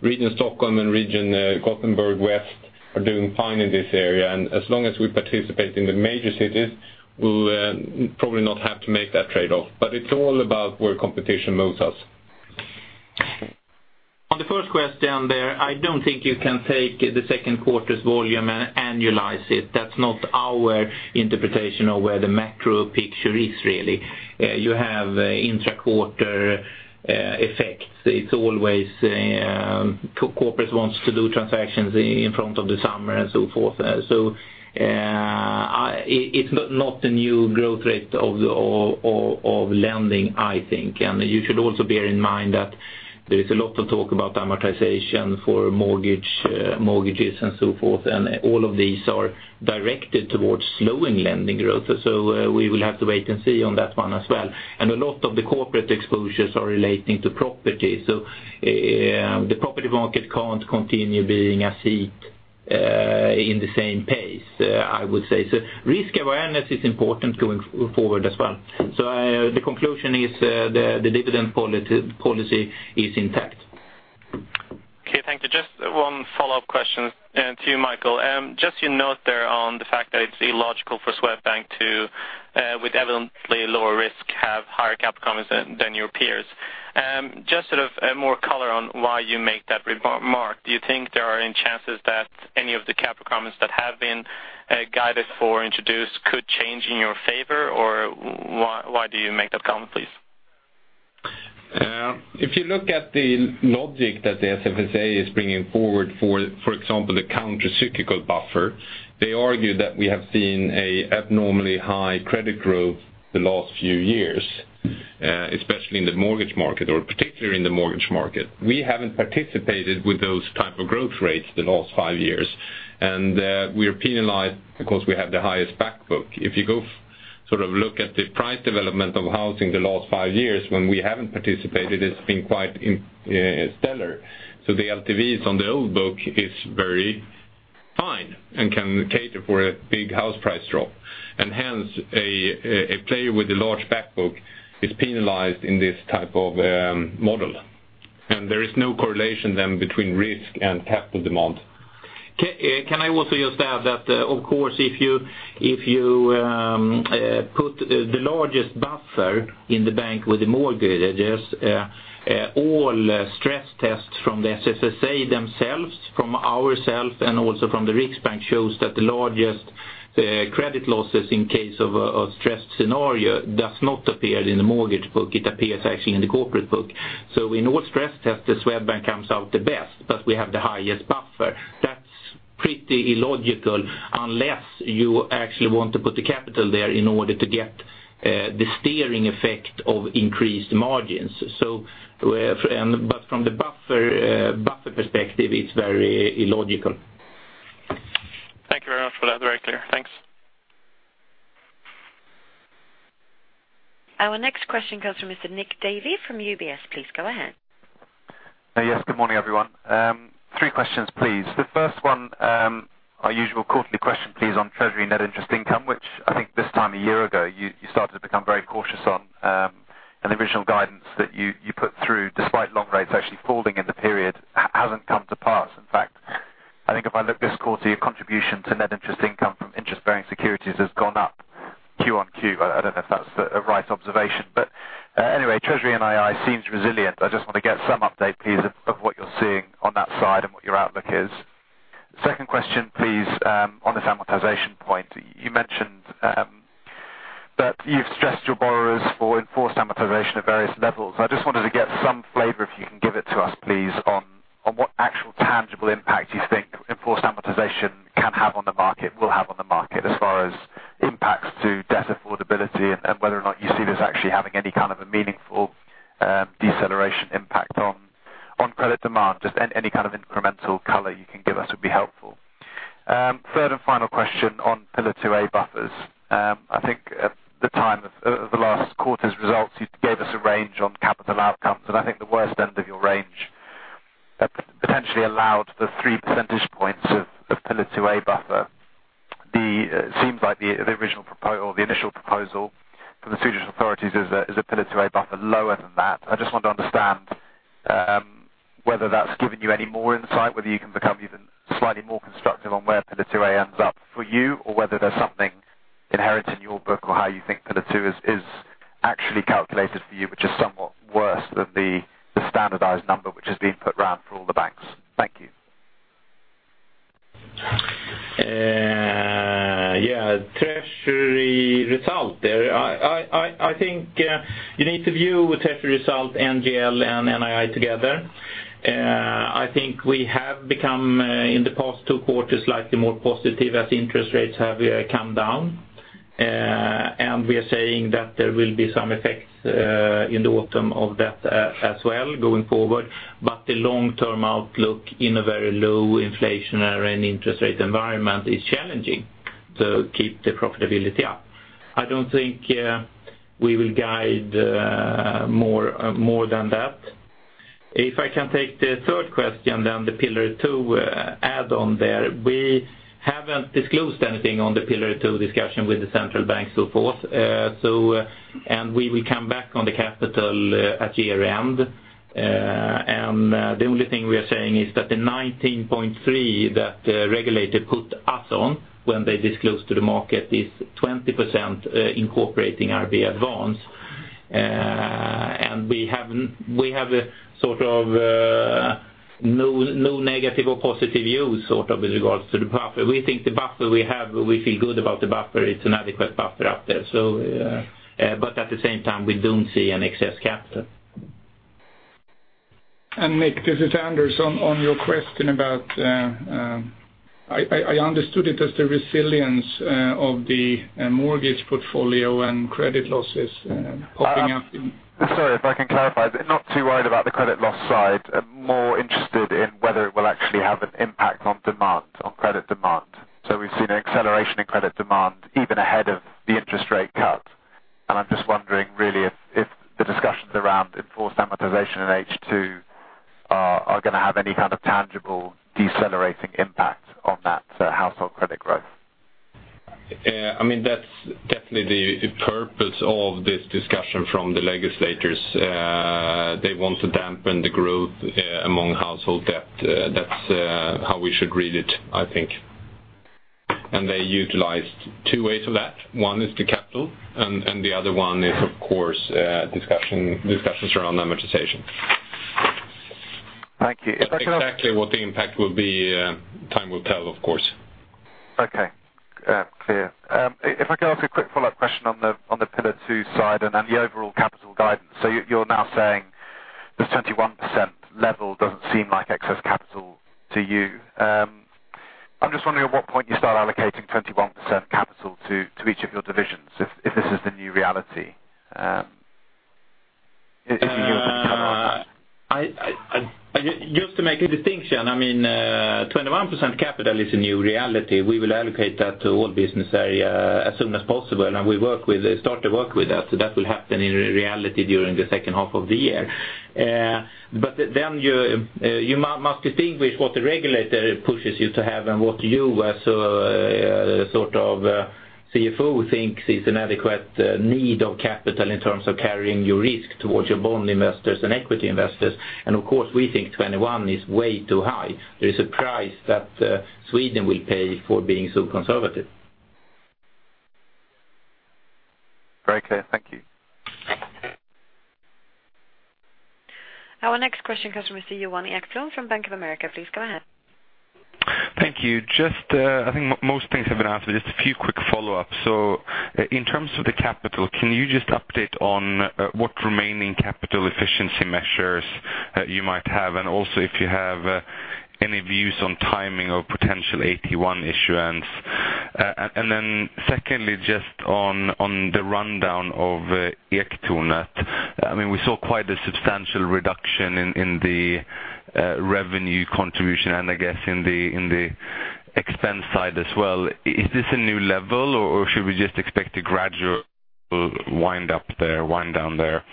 Region Stockholm and Region Gothenburg West are doing fine in this area, and as long as we participate in the major cities, we'll probably not have to make that trade-off. But it's all about where competition moves us. ...On the first question there, I don't think you can take the second quarter's volume and annualize it. That's not our interpretation of where the macro picture is really. You have intra-quarter effects. It's always, corporates wants to do transactions in front of the summer and so forth. So, it's not the new growth rate of the lending, I think. And you should also bear in mind that there is a lot of talk about amortization for mortgage mortgages and so forth, and all of these are directed towards slowing lending growth. So, we will have to wait and see on that one as well. And a lot of the corporate exposures are relating to property. So, the property market can't continue being as hot in the same pace, I would say. So risk awareness is important going forward as well. So, the conclusion is, the dividend policy is intact. Okay, thank you. Just one follow-up question to you, Michael. Just your note there on the fact that it's illogical for Swedbank to, with evidently lower risk, have higher capital comments than, than your peers. Just sort of, more color on why you make that remark. Do you think there are any chances that any of the capital comments that have been, guided for introduced could change in your favor, or why, why do you make that comment, please? If you look at the logic that the SFSA is bringing forward, for example, the countercyclical buffer, they argue that we have seen abnormally high credit growth the last few years, especially in the mortgage market, or particularly in the mortgage market. We haven't participated with those type of growth rates the last five years, and we are penalized because we have the highest back book. If you go sort of look at the price development of housing the last five years, when we haven't participated, it's been quite in stellar. So the LTVs on the old book is very fine and can cater for a big house price drop. And hence, a player with a large back book is penalized in this type of model. And there is no correlation then between risk and capital demand. Can I also just add that, of course, if you, if you, put the largest buffer in the bank with the mortgages, all stress tests from the SFSA themselves, from ourselves, and also from the Riksbank, shows that the largest credit losses in case of stressed scenario does not appear in the mortgage book. It appears actually in the corporate book. So in all stress tests, the Swedbank comes out the best, but we have the highest buffer. That's pretty illogical, unless you actually want to put the capital there in order to get the steering effect of increased margins. So, and but from the buffer, buffer perspective, it's very illogical. Thank you very much for that. Very clear. Thanks. Our next question comes from Mr. Nick Davey from UBS. Please go ahead. Yes, good morning, everyone. Three questions, please. The first one, our usual quarterly question, please, on treasury net interest income, which I think this time a year ago, you started to become very cautious on, an original guidance that you put through, despite long rates actually falling in the period, hasn't come to pass. In fact, I think if I look this quarter, your contribution to net interest income from interest-bearing securities has gone up Q on Q. I don't know if that's a right observation. But, anyway, treasury NII seems resilient. I just want to get some update, please, of what you're seeing on that side and what your outlook is. Second question, please, on this amortization point. You mentioned that you've stressed your borrowers for enforced amortization at various levels. I just wanted to get some flavor, if you can give it to us, please, on, on what actual tangible impact you think enforced amortization can have on the market, will have on the market, as far as impacts to debt affordability and, and whether or not you see this actually having any kind of a meaningful, deceleration impact on, on credit demand. Just any, any kind of incremental color you can give us would be helpful. Third and final question on Pillar 2A buffers. I think at the time of, of the last quarter's results, you gave us a range on capital outcomes, and I think the worst end of your range, potentially allowed 3 percentage points of, of Pillar 2A buffer. Seems like the original proposal or the initial proposal from the Swedish authorities is a Pillar 2A buffer lower than that. I just want to understand whether that's given you any more insight, whether you can become even slightly more constructive on where Pillar 2A ends up for you, or whether there's something inherent in your book or how you think Pillar Two is actually calculated for you, which is somewhat worse than the standardized number, which is being put around for all the banks. Thank you. Yeah, treasury result there. I think you need to view treasury result, NGL and NII together. I think we have become, in the past two quarters, slightly more positive as interest rates have come down. And we are saying that there will be some effects in the autumn of that as well going forward. But the long-term outlook in a very low inflation and interest rate environment is challenging to keep the profitability up. I don't think we will guide more, more than that. If I can take the third question, then the Pillar Two add on there. We haven't disclosed anything on the Pillar Two discussion with the central bank, so forth. So, and we will come back on the capital at year-end. and, the only thing we are saying is that the 19.3 that the regulator put us on when they disclosed to the market, is 20%, incorporating IRB Advanced. We have, we have a sort of, no negative or positive view, sort of, with regards to the buffer. We think the buffer we have, we feel good about the buffer. It's an adequate buffer out there. So, but at the same time, we don't see an excess capital. And Nick, this is Anders. On your question about, I understood it as the resilience of the mortgage portfolio and credit losses popping up in- Sorry, if I can clarify. Not too worried about the credit loss side, more interested in whether it will actually have an impact on demand, on credit demand. So we've seen an acceleration in credit demand, even ahead of the interest rate cut. And I'm just wondering, really, if, if the discussions around enforced amortization in H2 are, are gonna have any kind of tangible decelerating impact on that household credit growth? I mean, that's definitely the purpose of this discussion from the legislators. They want to dampen the growth among household debt. That's how we should read it, I think. And they utilized two ways of that. One is the capital, and the other one is, of course, discussions around amortization. Thank you. Exactly what the impact will be, time will tell, of course. Okay. Clear. If I could ask a quick follow-up question on the Pillar Two side and on the overall capital guidance. So you- you're now saying this 21% level doesn't seem like excess capital to you. I'm just wondering at what point you start allocating 21% capital to each of your divisions, if this is the new reality? If you would comment on that. Just to make a distinction, I mean, 21% capital is a new reality. We will allocate that to all business area as soon as possible, and we work with it, start to work with that. So that will happen in reality during the second half of the year. But then you, you must distinguish what the regulator pushes you to have and what you, as, sort of, CFO thinks is an adequate, need of capital in terms of carrying your risk towards your bond investors and equity investors. And of course, we think 21 is way too high. There is a price that, Sweden will pay for being so conservative. Very clear. Thank you. Our next question comes from Mr. Johan Ekblom from Bank of America. Please go ahead. Thank you. Just, I think most things have been answered, just a few quick follow-up. So in terms of the capital, can you just update on what remaining capital efficiency measures that you might have? And also, if you have any views on timing or potential AT1 issuance. And then secondly, just on the rundown of Ektornet. I mean, we saw quite a substantial reduction in the revenue contribution, and I guess in the expense side as well. Is this a new level, or should we just expect a gradual wind up there, wind down there?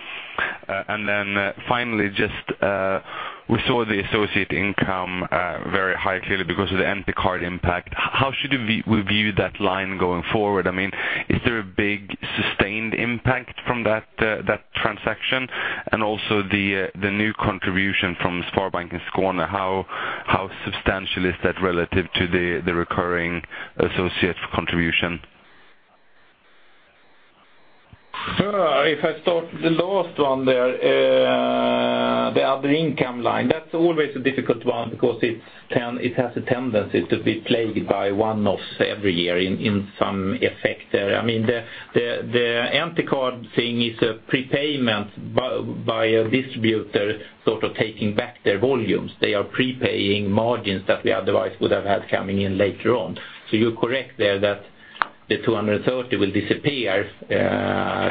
And then finally, just we saw the associate income very high, clearly because of the EnterCard impact. How should we view that line going forward? I mean, is there a big sustained impact from that transaction? And also the new contribution from Sparbanken Skåne, how substantial is that relative to the recurring associate contribution? If I start the last one there, the other income line, that's always a difficult one because it can, it has a tendency to be plagued by one-offs every year in some effect there. I mean, the EnterCard thing is a prepayment by a distributor, sort of taking back their volumes. They are prepaying margins that we otherwise would have had coming in later on. So you're correct there, that the 230 will disappear,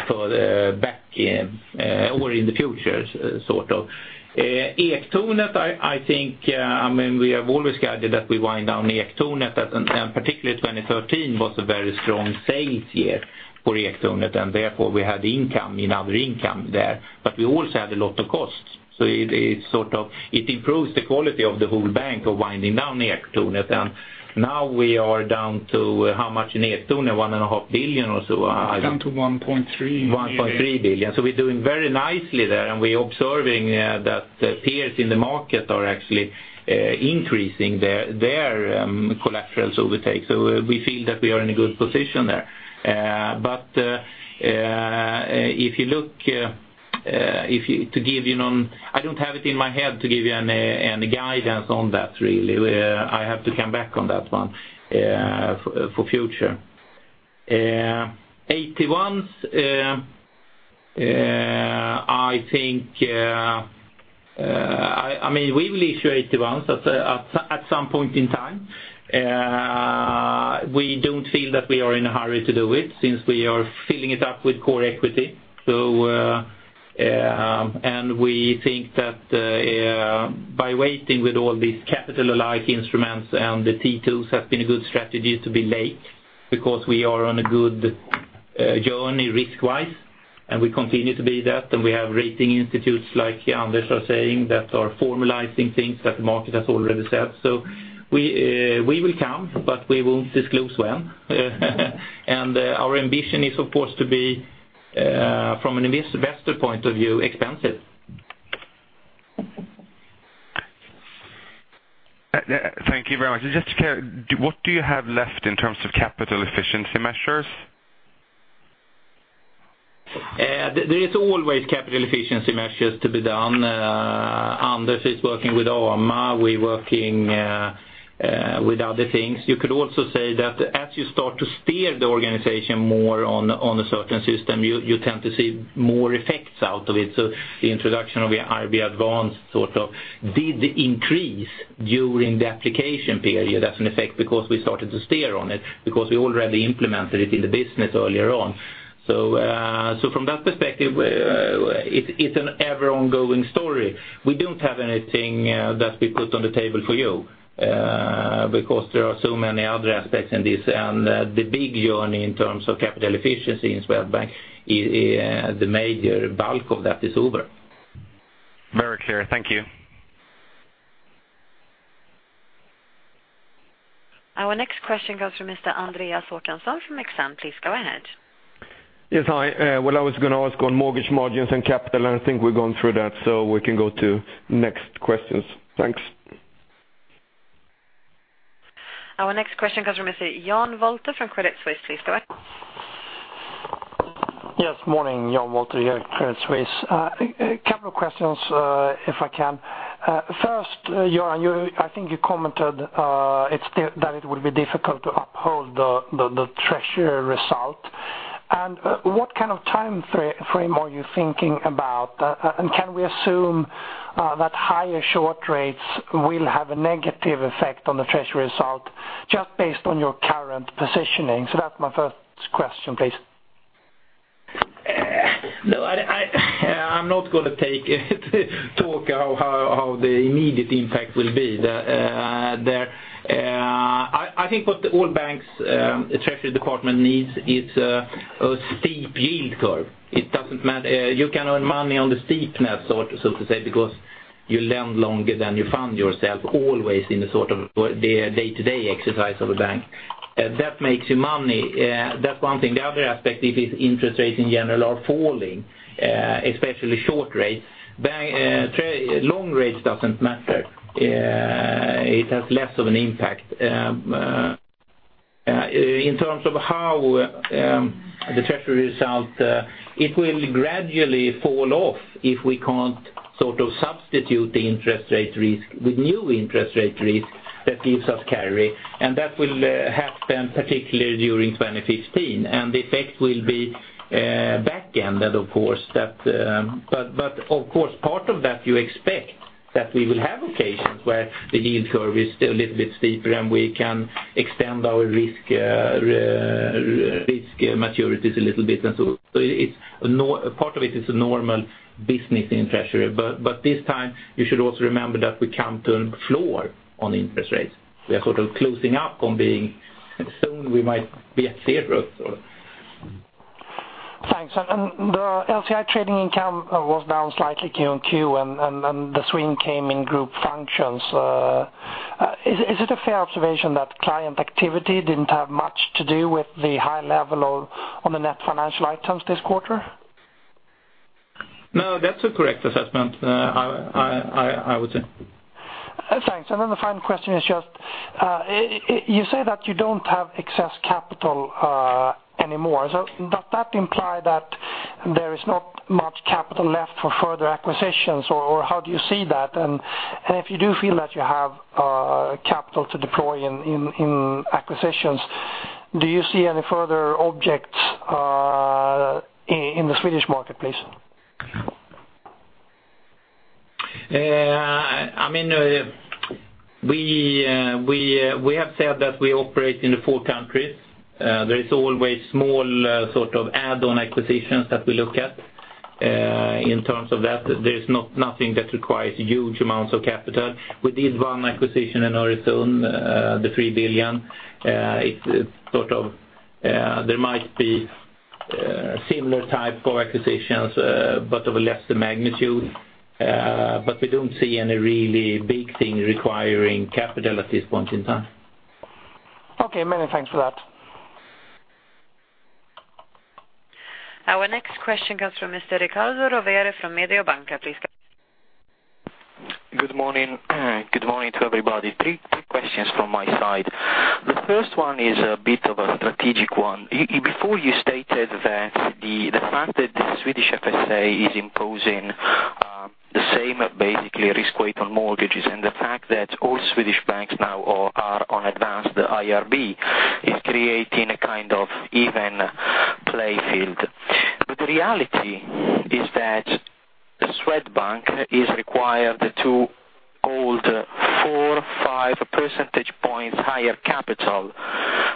for the back, or in the future, sort of. Ektornet, I think, I mean, we have always guided that we wind down Ektornet, and particularly 2013 was a very strong sales year for Ektornet, and therefore we had income, in other income there, but we also had a lot of costs. So it sort of improves the quality of the whole bank of winding down Ektornet. And now we are down to how much in Ektornet, 1.5 billion or so? Down to 1.3. 1.3 billion. So we're doing very nicely there, and we're observing that the peers in the market are actually increasing their collateral overtake. So we feel that we are in a good position there. But if you look, if you... To give you an... I don't have it in my head to give you any guidance on that, really. I have to come back on that one for future. AT1, I think, I mean, we will issue AT1 at some point in time. We don't feel that we are in a hurry to do it since we are filling it up with core equity. We think that by waiting with all these capital-alike instruments and the T2's have been a good strategy to be late because we are on a good journey risk-wise, and we continue to be that, and we have rating institutes like Anders are saying that are formalizing things that the market has already said. We will come, but we won't disclose when. Our ambition is, of course, to be from an investor point of view, expensive.... Thank you very much. Just to clear, what do you have left in terms of capital efficiency measures? There, there is always capital efficiency measures to be done. Anders is working with AMA, we're working with other things. You could also say that as you start to steer the organization more on, on a certain system, you, you tend to see more effects out of it. So the introduction of the IRB Advanced sort of did increase during the application period. That's an effect, because we started to steer on it, because we already implemented it in the business earlier on. So, so from that perspective, it's, it's an ever ongoing story. We don't have anything that we put on the table for you, because there are so many other aspects in this. And the big journey in terms of capital efficiency in Swedbank, i-i, the major bulk of that is over. Very clear. Thank you. Our next question comes from Mr. Andreas Håkansson from Exane. Please go ahead. Yes, hi. Well, I was gonna ask on mortgage margins and capital, and I think we've gone through that, so we can go to next questions. Thanks. Our next question comes from Mr. Jan Wolter from Credit Suisse. Please go ahead. Yes, morning, Jan Wolter here, Credit Suisse. A couple of questions, if I can. First, Johan, you—I think you commented, it's still, that it will be difficult to uphold the treasury result. And, what kind of time frame are you thinking about? And can we assume, that higher short rates will have a negative effect on the treasury result, just based on your current positioning? So that's my first question, please. No, I'm not gonna take it, talk how the immediate impact will be. I think what all banks' treasury department needs is a steep yield curve. It doesn't matter, you can earn money on the steepness, so to say, because you lend longer than you fund yourself, always in the sort of the day-to-day exercise of a bank. That makes you money. That's one thing. The other aspect, if interest rates in general are falling, especially short rates, long rates doesn't matter. It has less of an impact. In terms of how the treasury result it will gradually fall off if we can't sort of substitute the interest rate risk with new interest rate risk that gives us carry, and that will happen particularly during 2015. And the effect will be backended, of course. That, but of course, part of that, you expect that we will have occasions where the yield curve is still a little bit steeper, and we can extend our risk maturities a little bit. And so, normal part of it is a normal business in treasury. But this time, you should also remember that we come to a floor on interest rates. We are sort of closing up on being, soon we might be at zero, so. Thanks. And the LC&I trading income was down slightly Q on Q, and the swing came in group functions. Is it a fair observation that client activity didn't have much to do with the high level of, on the net financial items this quarter? No, that's a correct assessment. I would say. Thanks. And then the final question is just, you say that you don't have excess capital anymore. So does that imply that there is not much capital left for further acquisitions, or, or how do you see that? And if you do feel that you have capital to deploy in acquisitions, do you see any further objects in the Swedish market, please? I mean, we have said that we operate in the four countries. There is always small, sort of add-on acquisitions that we look at. In terms of that, there is nothing that requires huge amounts of capital. We did one acquisition in Öresund, the 3 billion. It's sort of there might be similar type of acquisitions, but of a lesser magnitude. But we don't see any really big thing requiring capital at this point in time. Okay, many thanks for that. Our next question comes from Mr. Riccardo Rovere from Mediobanca. Please go ahead. Good morning. Good morning to everybody. Three questions from my side. The first one is a bit of a strategic one. Before you stated that the fact that the Swedish FSA is imposing the same basically risk weight on mortgages, and the fact that all Swedish banks now are on advanced IRB, is creating a kind of even playing field. But the reality is that Swedbank is required to hold 4-5 percentage points higher capital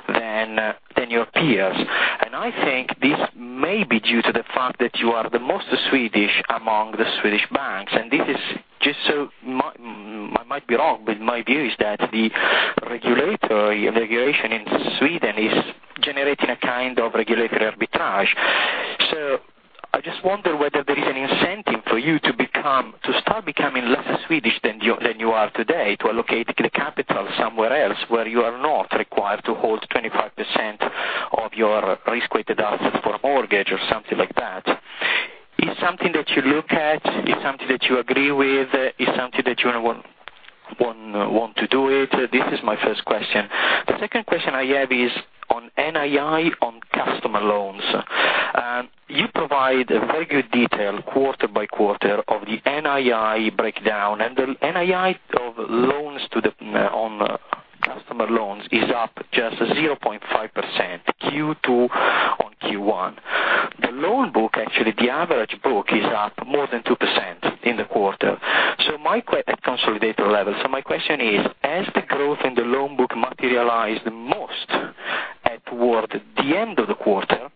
than your peers. And I think this may be due to the fact that you are the most Swedish among the Swedish banks. And this is just so... I might be wrong, but my view is that the regulatory regulation in Sweden is generating a kind of regulatory arbitrage. So I just wonder whether there is an incentive for you to become, to start becoming less Swedish than you, than you are today, to allocate the capital somewhere else, where you are not required to hold 25% of your risk-weighted assets?... that you look at, it's something that you agree with, it's something that you want, want, want to do it? This is my first question. The second question I have is on NII on customer loans. You provide a very good detail quarter by quarter of the NII breakdown, and the NII of loans to the-- on customer loans is up just 0.5%, Q2 on Q1. The loan book, actually, the average book is up more than 2% in the quarter. So my question at consolidated level is, has the growth in the loan book materialized the most toward the end of the quarter?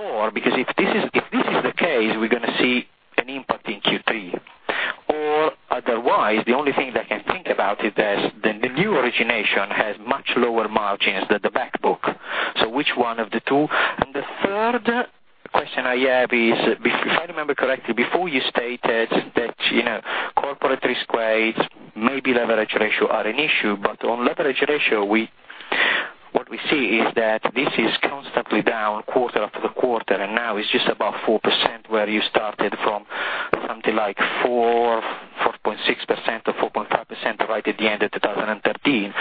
Or because if this is, if this is the case, we're gonna see an impact in Q3, or otherwise, the only thing that I can think about it is the new origination has much lower margins than the back book. So which one of the two? And the third question I have is, if, if I remember correctly, before you stated that, you know, corporate risk rates, maybe leverage ratio are an issue, but on leverage ratio, what we see is that this is constantly down quarter after quarter, and now it's just about 4%, where you started from something like 4.6% or 4.5% right at the end of 2013.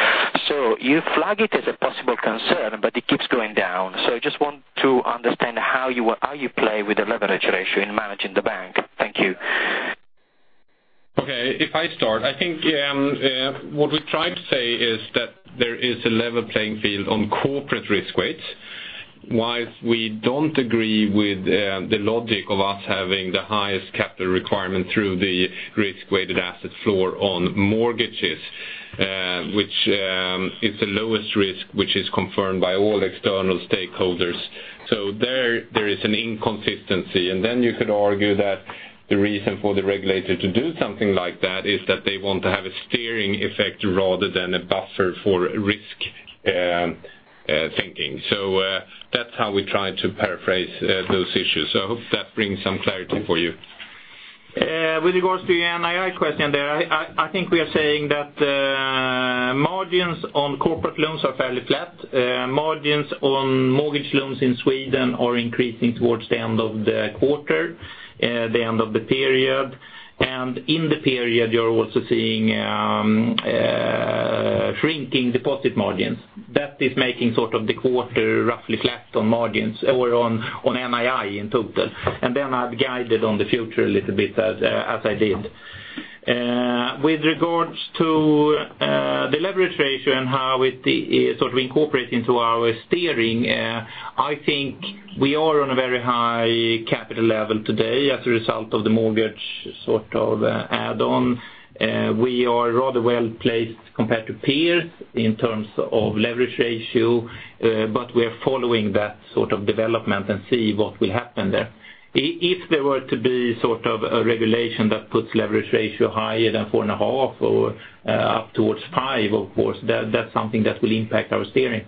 So you flag it as a possible concern, but it keeps going down. So I just want to understand how you, how you play with the leverage ratio in managing the bank? Thank you. Okay, if I start, I think, what we tried to say is that there is a level playing field on corporate risk weights. Whilst we don't agree with, the logic of us having the highest capital requirement through the risk-weighted asset floor on mortgages, which, is the lowest risk, which is confirmed by all external stakeholders. So there is an inconsistency. And then you could argue that the reason for the regulator to do something like that is that they want to have a steering effect rather than a buffer for risk, thinking. So, that's how we try to paraphrase, those issues. So I hope that brings some clarity for you. With regards to the NII question there, I think we are saying that margins on corporate loans are fairly flat. Margins on mortgage loans in Sweden are increasing towards the end of the quarter, the end of the period. And in the period, you're also seeing shrinking deposit margins. That is making sort of the quarter roughly flat on margins or on NII in total. And then I've guided on the future a little bit as I did. With regards to the leverage ratio and how it sort of incorporate into our steering, I think we are on a very high capital level today as a result of the mortgage sort of add-on. We are rather well placed compared to peers in terms of leverage ratio, but we are following that sort of development and see what will happen there. If there were to be sort of a regulation that puts leverage ratio higher than 4.5 or up towards 5, of course, that, that's something that will impact our steering.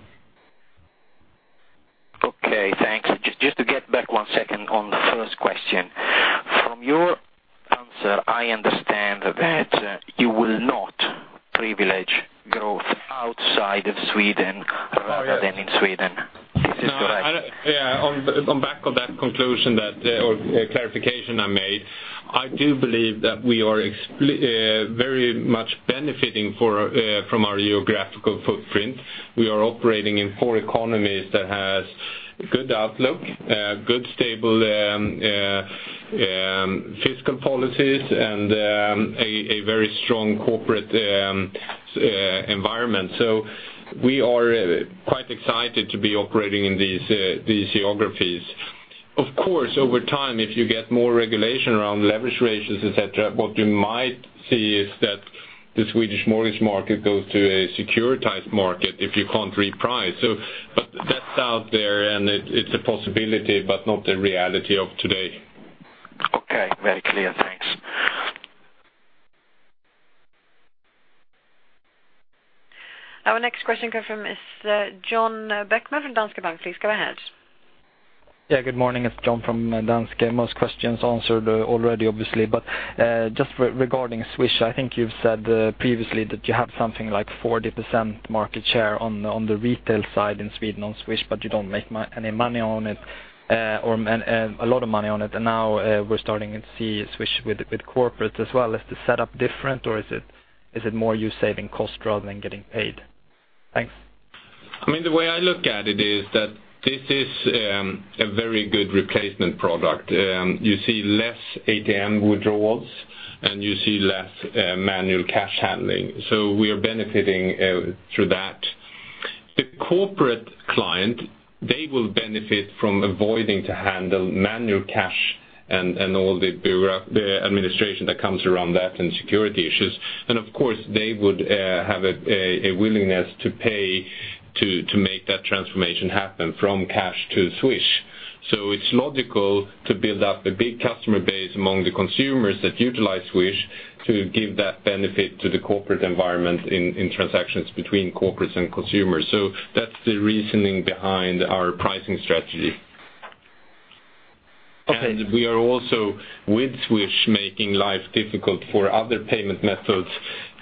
Okay, thanks. Just, just to get back one second on the first question. From your answer, I understand that you will not privilege growth outside of Sweden- Oh, yeah. Rather than in Sweden. This is correct? Yeah, back on that conclusion that, or clarification I made, I do believe that we are very much benefiting from our geographical footprint. We are operating in four economies that has good outlook, good, stable, fiscal policies and, a very strong corporate environment. So we are quite excited to be operating in these, these geographies. Of course, over time, if you get more regulation around leverage ratios, et cetera, what you might see is that the Swedish mortgage market goes to a securitized market if you can't reprice. So but that's out there, and it, it's a possibility, but not the reality of today. Okay. Very clear. Thanks. Our next question comes from John Bäckman from Danske Bank. Please go ahead. Yeah, good morning. It's John from Danske. Most questions answered already, obviously, but just regarding Swish, I think you've said previously that you have something like 40% market share on the retail side in Sweden on Swish, but you don't make any money on it, or, and, and a lot of money on it. And now, we're starting to see Swish with corporates as well. Is the setup different, or is it more you saving cost rather than getting paid? Thanks. I mean, the way I look at it is that this is a very good replacement product. You see less ATM withdrawals, and you see less manual cash handling. So we are benefiting through that. The corporate client, they will benefit from avoiding to handle manual cash and all the administration that comes around that and security issues. And of course, they would have a willingness to pay to make that transformation happen from cash to Swish. So it's logical to build up a big customer base among the consumers that utilize Swish to give that benefit to the corporate environment in transactions between corporates and consumers. So that's the reasoning behind our pricing strategy.... And we are also with Swish, making life difficult for other payment methods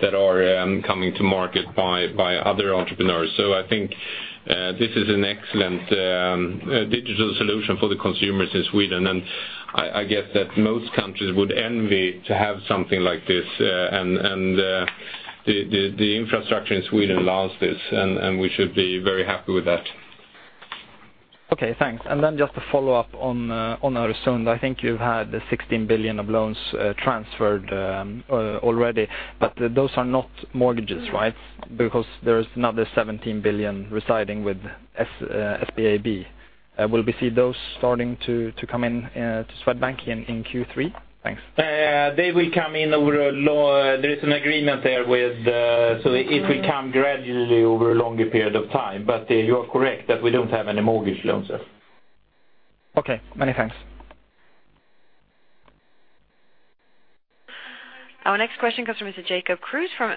that are coming to market by other entrepreneurs. So I think this is an excellent digital solution for the consumers in Sweden, and I guess that most countries would envy to have something like this. And the infrastructure in Sweden allows this, and we should be very happy with that. Okay, thanks. And then just to follow up on Öresund, I think you've had the 16 billion of loans transferred already, but those are not mortgages, right? Because there is another 17 billion residing with SBAB. Will we see those starting to come in to Swedbank in Q3? Thanks. They will come in over a longer period of time. There is an agreement there with, so it will come gradually over a longer period of time. But you are correct, that we don't have any mortgage loans there. Okay, many thanks. Our next question comes from Mr. Jacob Kruse from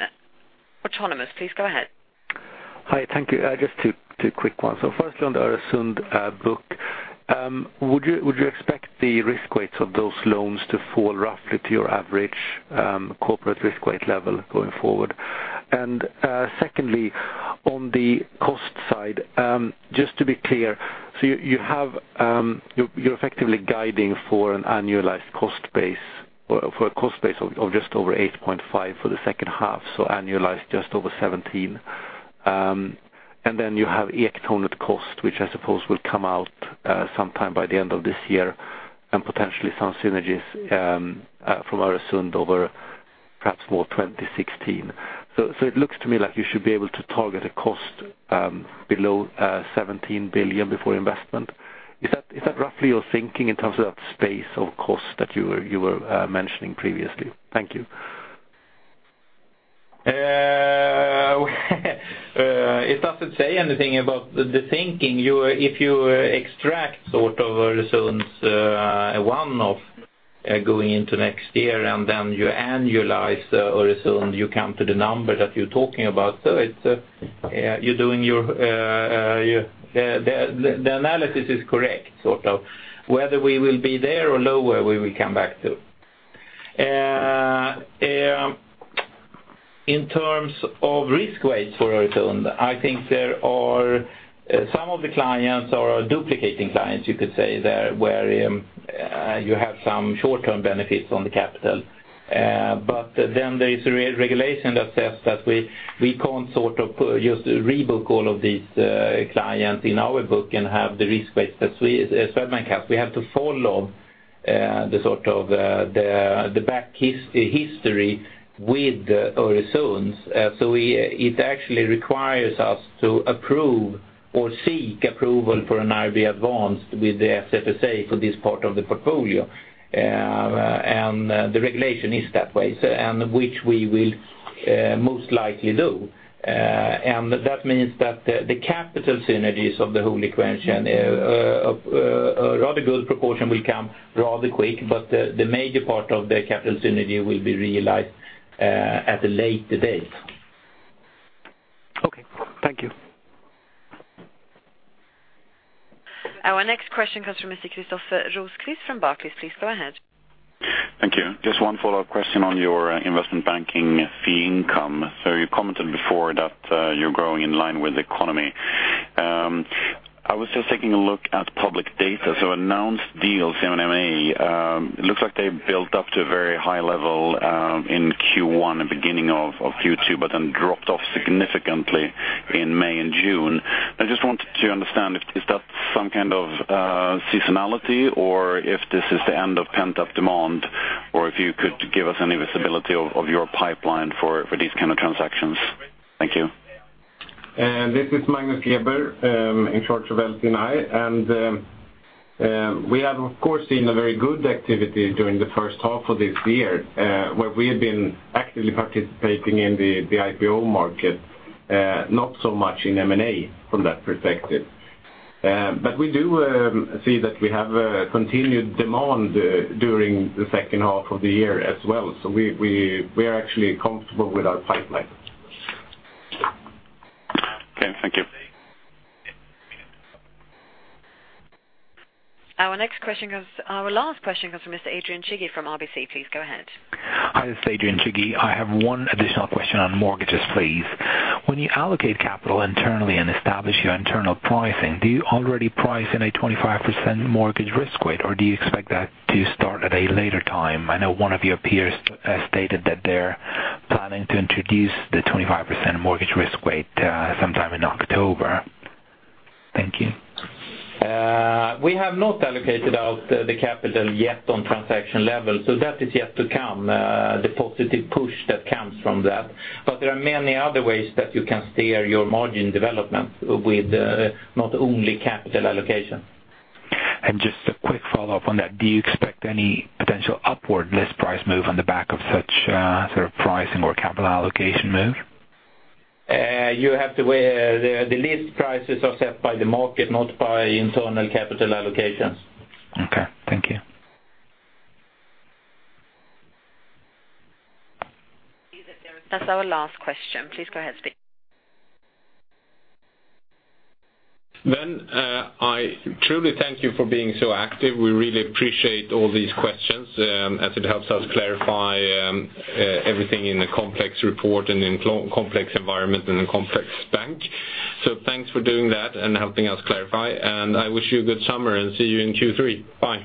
Autonomous. Please go ahead. Hi, thank you. Just two quick ones. So first, on the Öresund book. Would you expect the risk weights of those loans to fall roughly to your average corporate risk weight level going forward? And secondly, on the cost side, just to be clear, so you have, you're effectively guiding for an annualized cost base, or for a cost base of just over 8.5 billion for the second half, so annualized just over 17 billion. And then you have Ektornet cost, which I suppose will come out sometime by the end of this year, and potentially some synergies from Öresund over perhaps more 2016. So it looks to me like you should be able to target a cost below 17 billion before investment. Is that, is that roughly your thinking in terms of that space of cost that you were, you were, mentioning previously? Thank you. It doesn't say anything about the thinking. You - if you extract sort of Öresund's one-off going into next year, and then you annualize Öresund, you come to the number that you're talking about. So it's, you're doing your... The analysis is correct, sort of. Whether we will be there or lower, we will come back to. In terms of risk weights for Öresund, I think there are some of the clients are duplicating clients, you could say there, where you have some short-term benefits on the capital. But then there is a re-regulation that says that we can't sort of just rebook all of these clients in our book and have the risk weights that we, Swedbank has. We have to follow the sort of the background history with Öresund. So we... It actually requires us to approve or seek approval for an IRB Advanced with the SFSA for this part of the portfolio. And the regulation is that way, so, and which we will most likely do. And that means that the capital synergies of the whole equation, a rather good proportion will come rather quick, but the major part of the capital synergy will be realized at a later date. Okay, thank you. Our next question comes from Mr. Christoffer Rosquist from Barclays. Please go ahead. Thank you. Just one follow-up question on your investment banking fee income. So you commented before that, you're growing in line with the economy. I was just taking a look at public data. So announced deals in M&A, it looks like they built up to a very high level, in Q1 and beginning of Q2, but then dropped off significantly in May and June. I just wanted to understand, is that some kind of seasonality, or if this is the end of pent-up demand, or if you could give us any visibility of your pipeline for these kind of transactions? Thank you. This is Magnus Geeber, in charge of LC&I, and we have, of course, seen a very good activity during the first half of this year, where we have been actively participating in the IPO market, not so much in M&A from that perspective. But we do see that we have a continued demand during the second half of the year as well. We are actually comfortable with our pipeline. Okay, thank you. Our last question comes from Mr. Adrian Cighi from RBC. Please go ahead. Hi, this is Adrian Cighi. I have one additional question on mortgages, please. When you allocate capital internally and establish your internal pricing, do you already price in a 25% mortgage risk weight, or do you expect that to start at a later time? I know one of your peers stated that they're planning to introduce the 25% mortgage risk weight sometime in October. Thank you. We have not allocated out the capital yet on transaction level, so that is yet to come, the positive push that comes from that. But there are many other ways that you can steer your margin development with, not only capital allocation. Just a quick follow-up on that. Do you expect any potential upward list price move on the back of such, sort of pricing or capital allocation move? You have to weigh... The list prices are set by the market, not by internal capital allocations. Okay, thank you. That's our last question. Please go ahead, speak. Then, I truly thank you for being so active. We really appreciate all these questions, as it helps us clarify everything in a complex report and in a complex environment and a complex bank. So thanks for doing that and helping us clarify, and I wish you a good summer, and see you in Q3. Bye.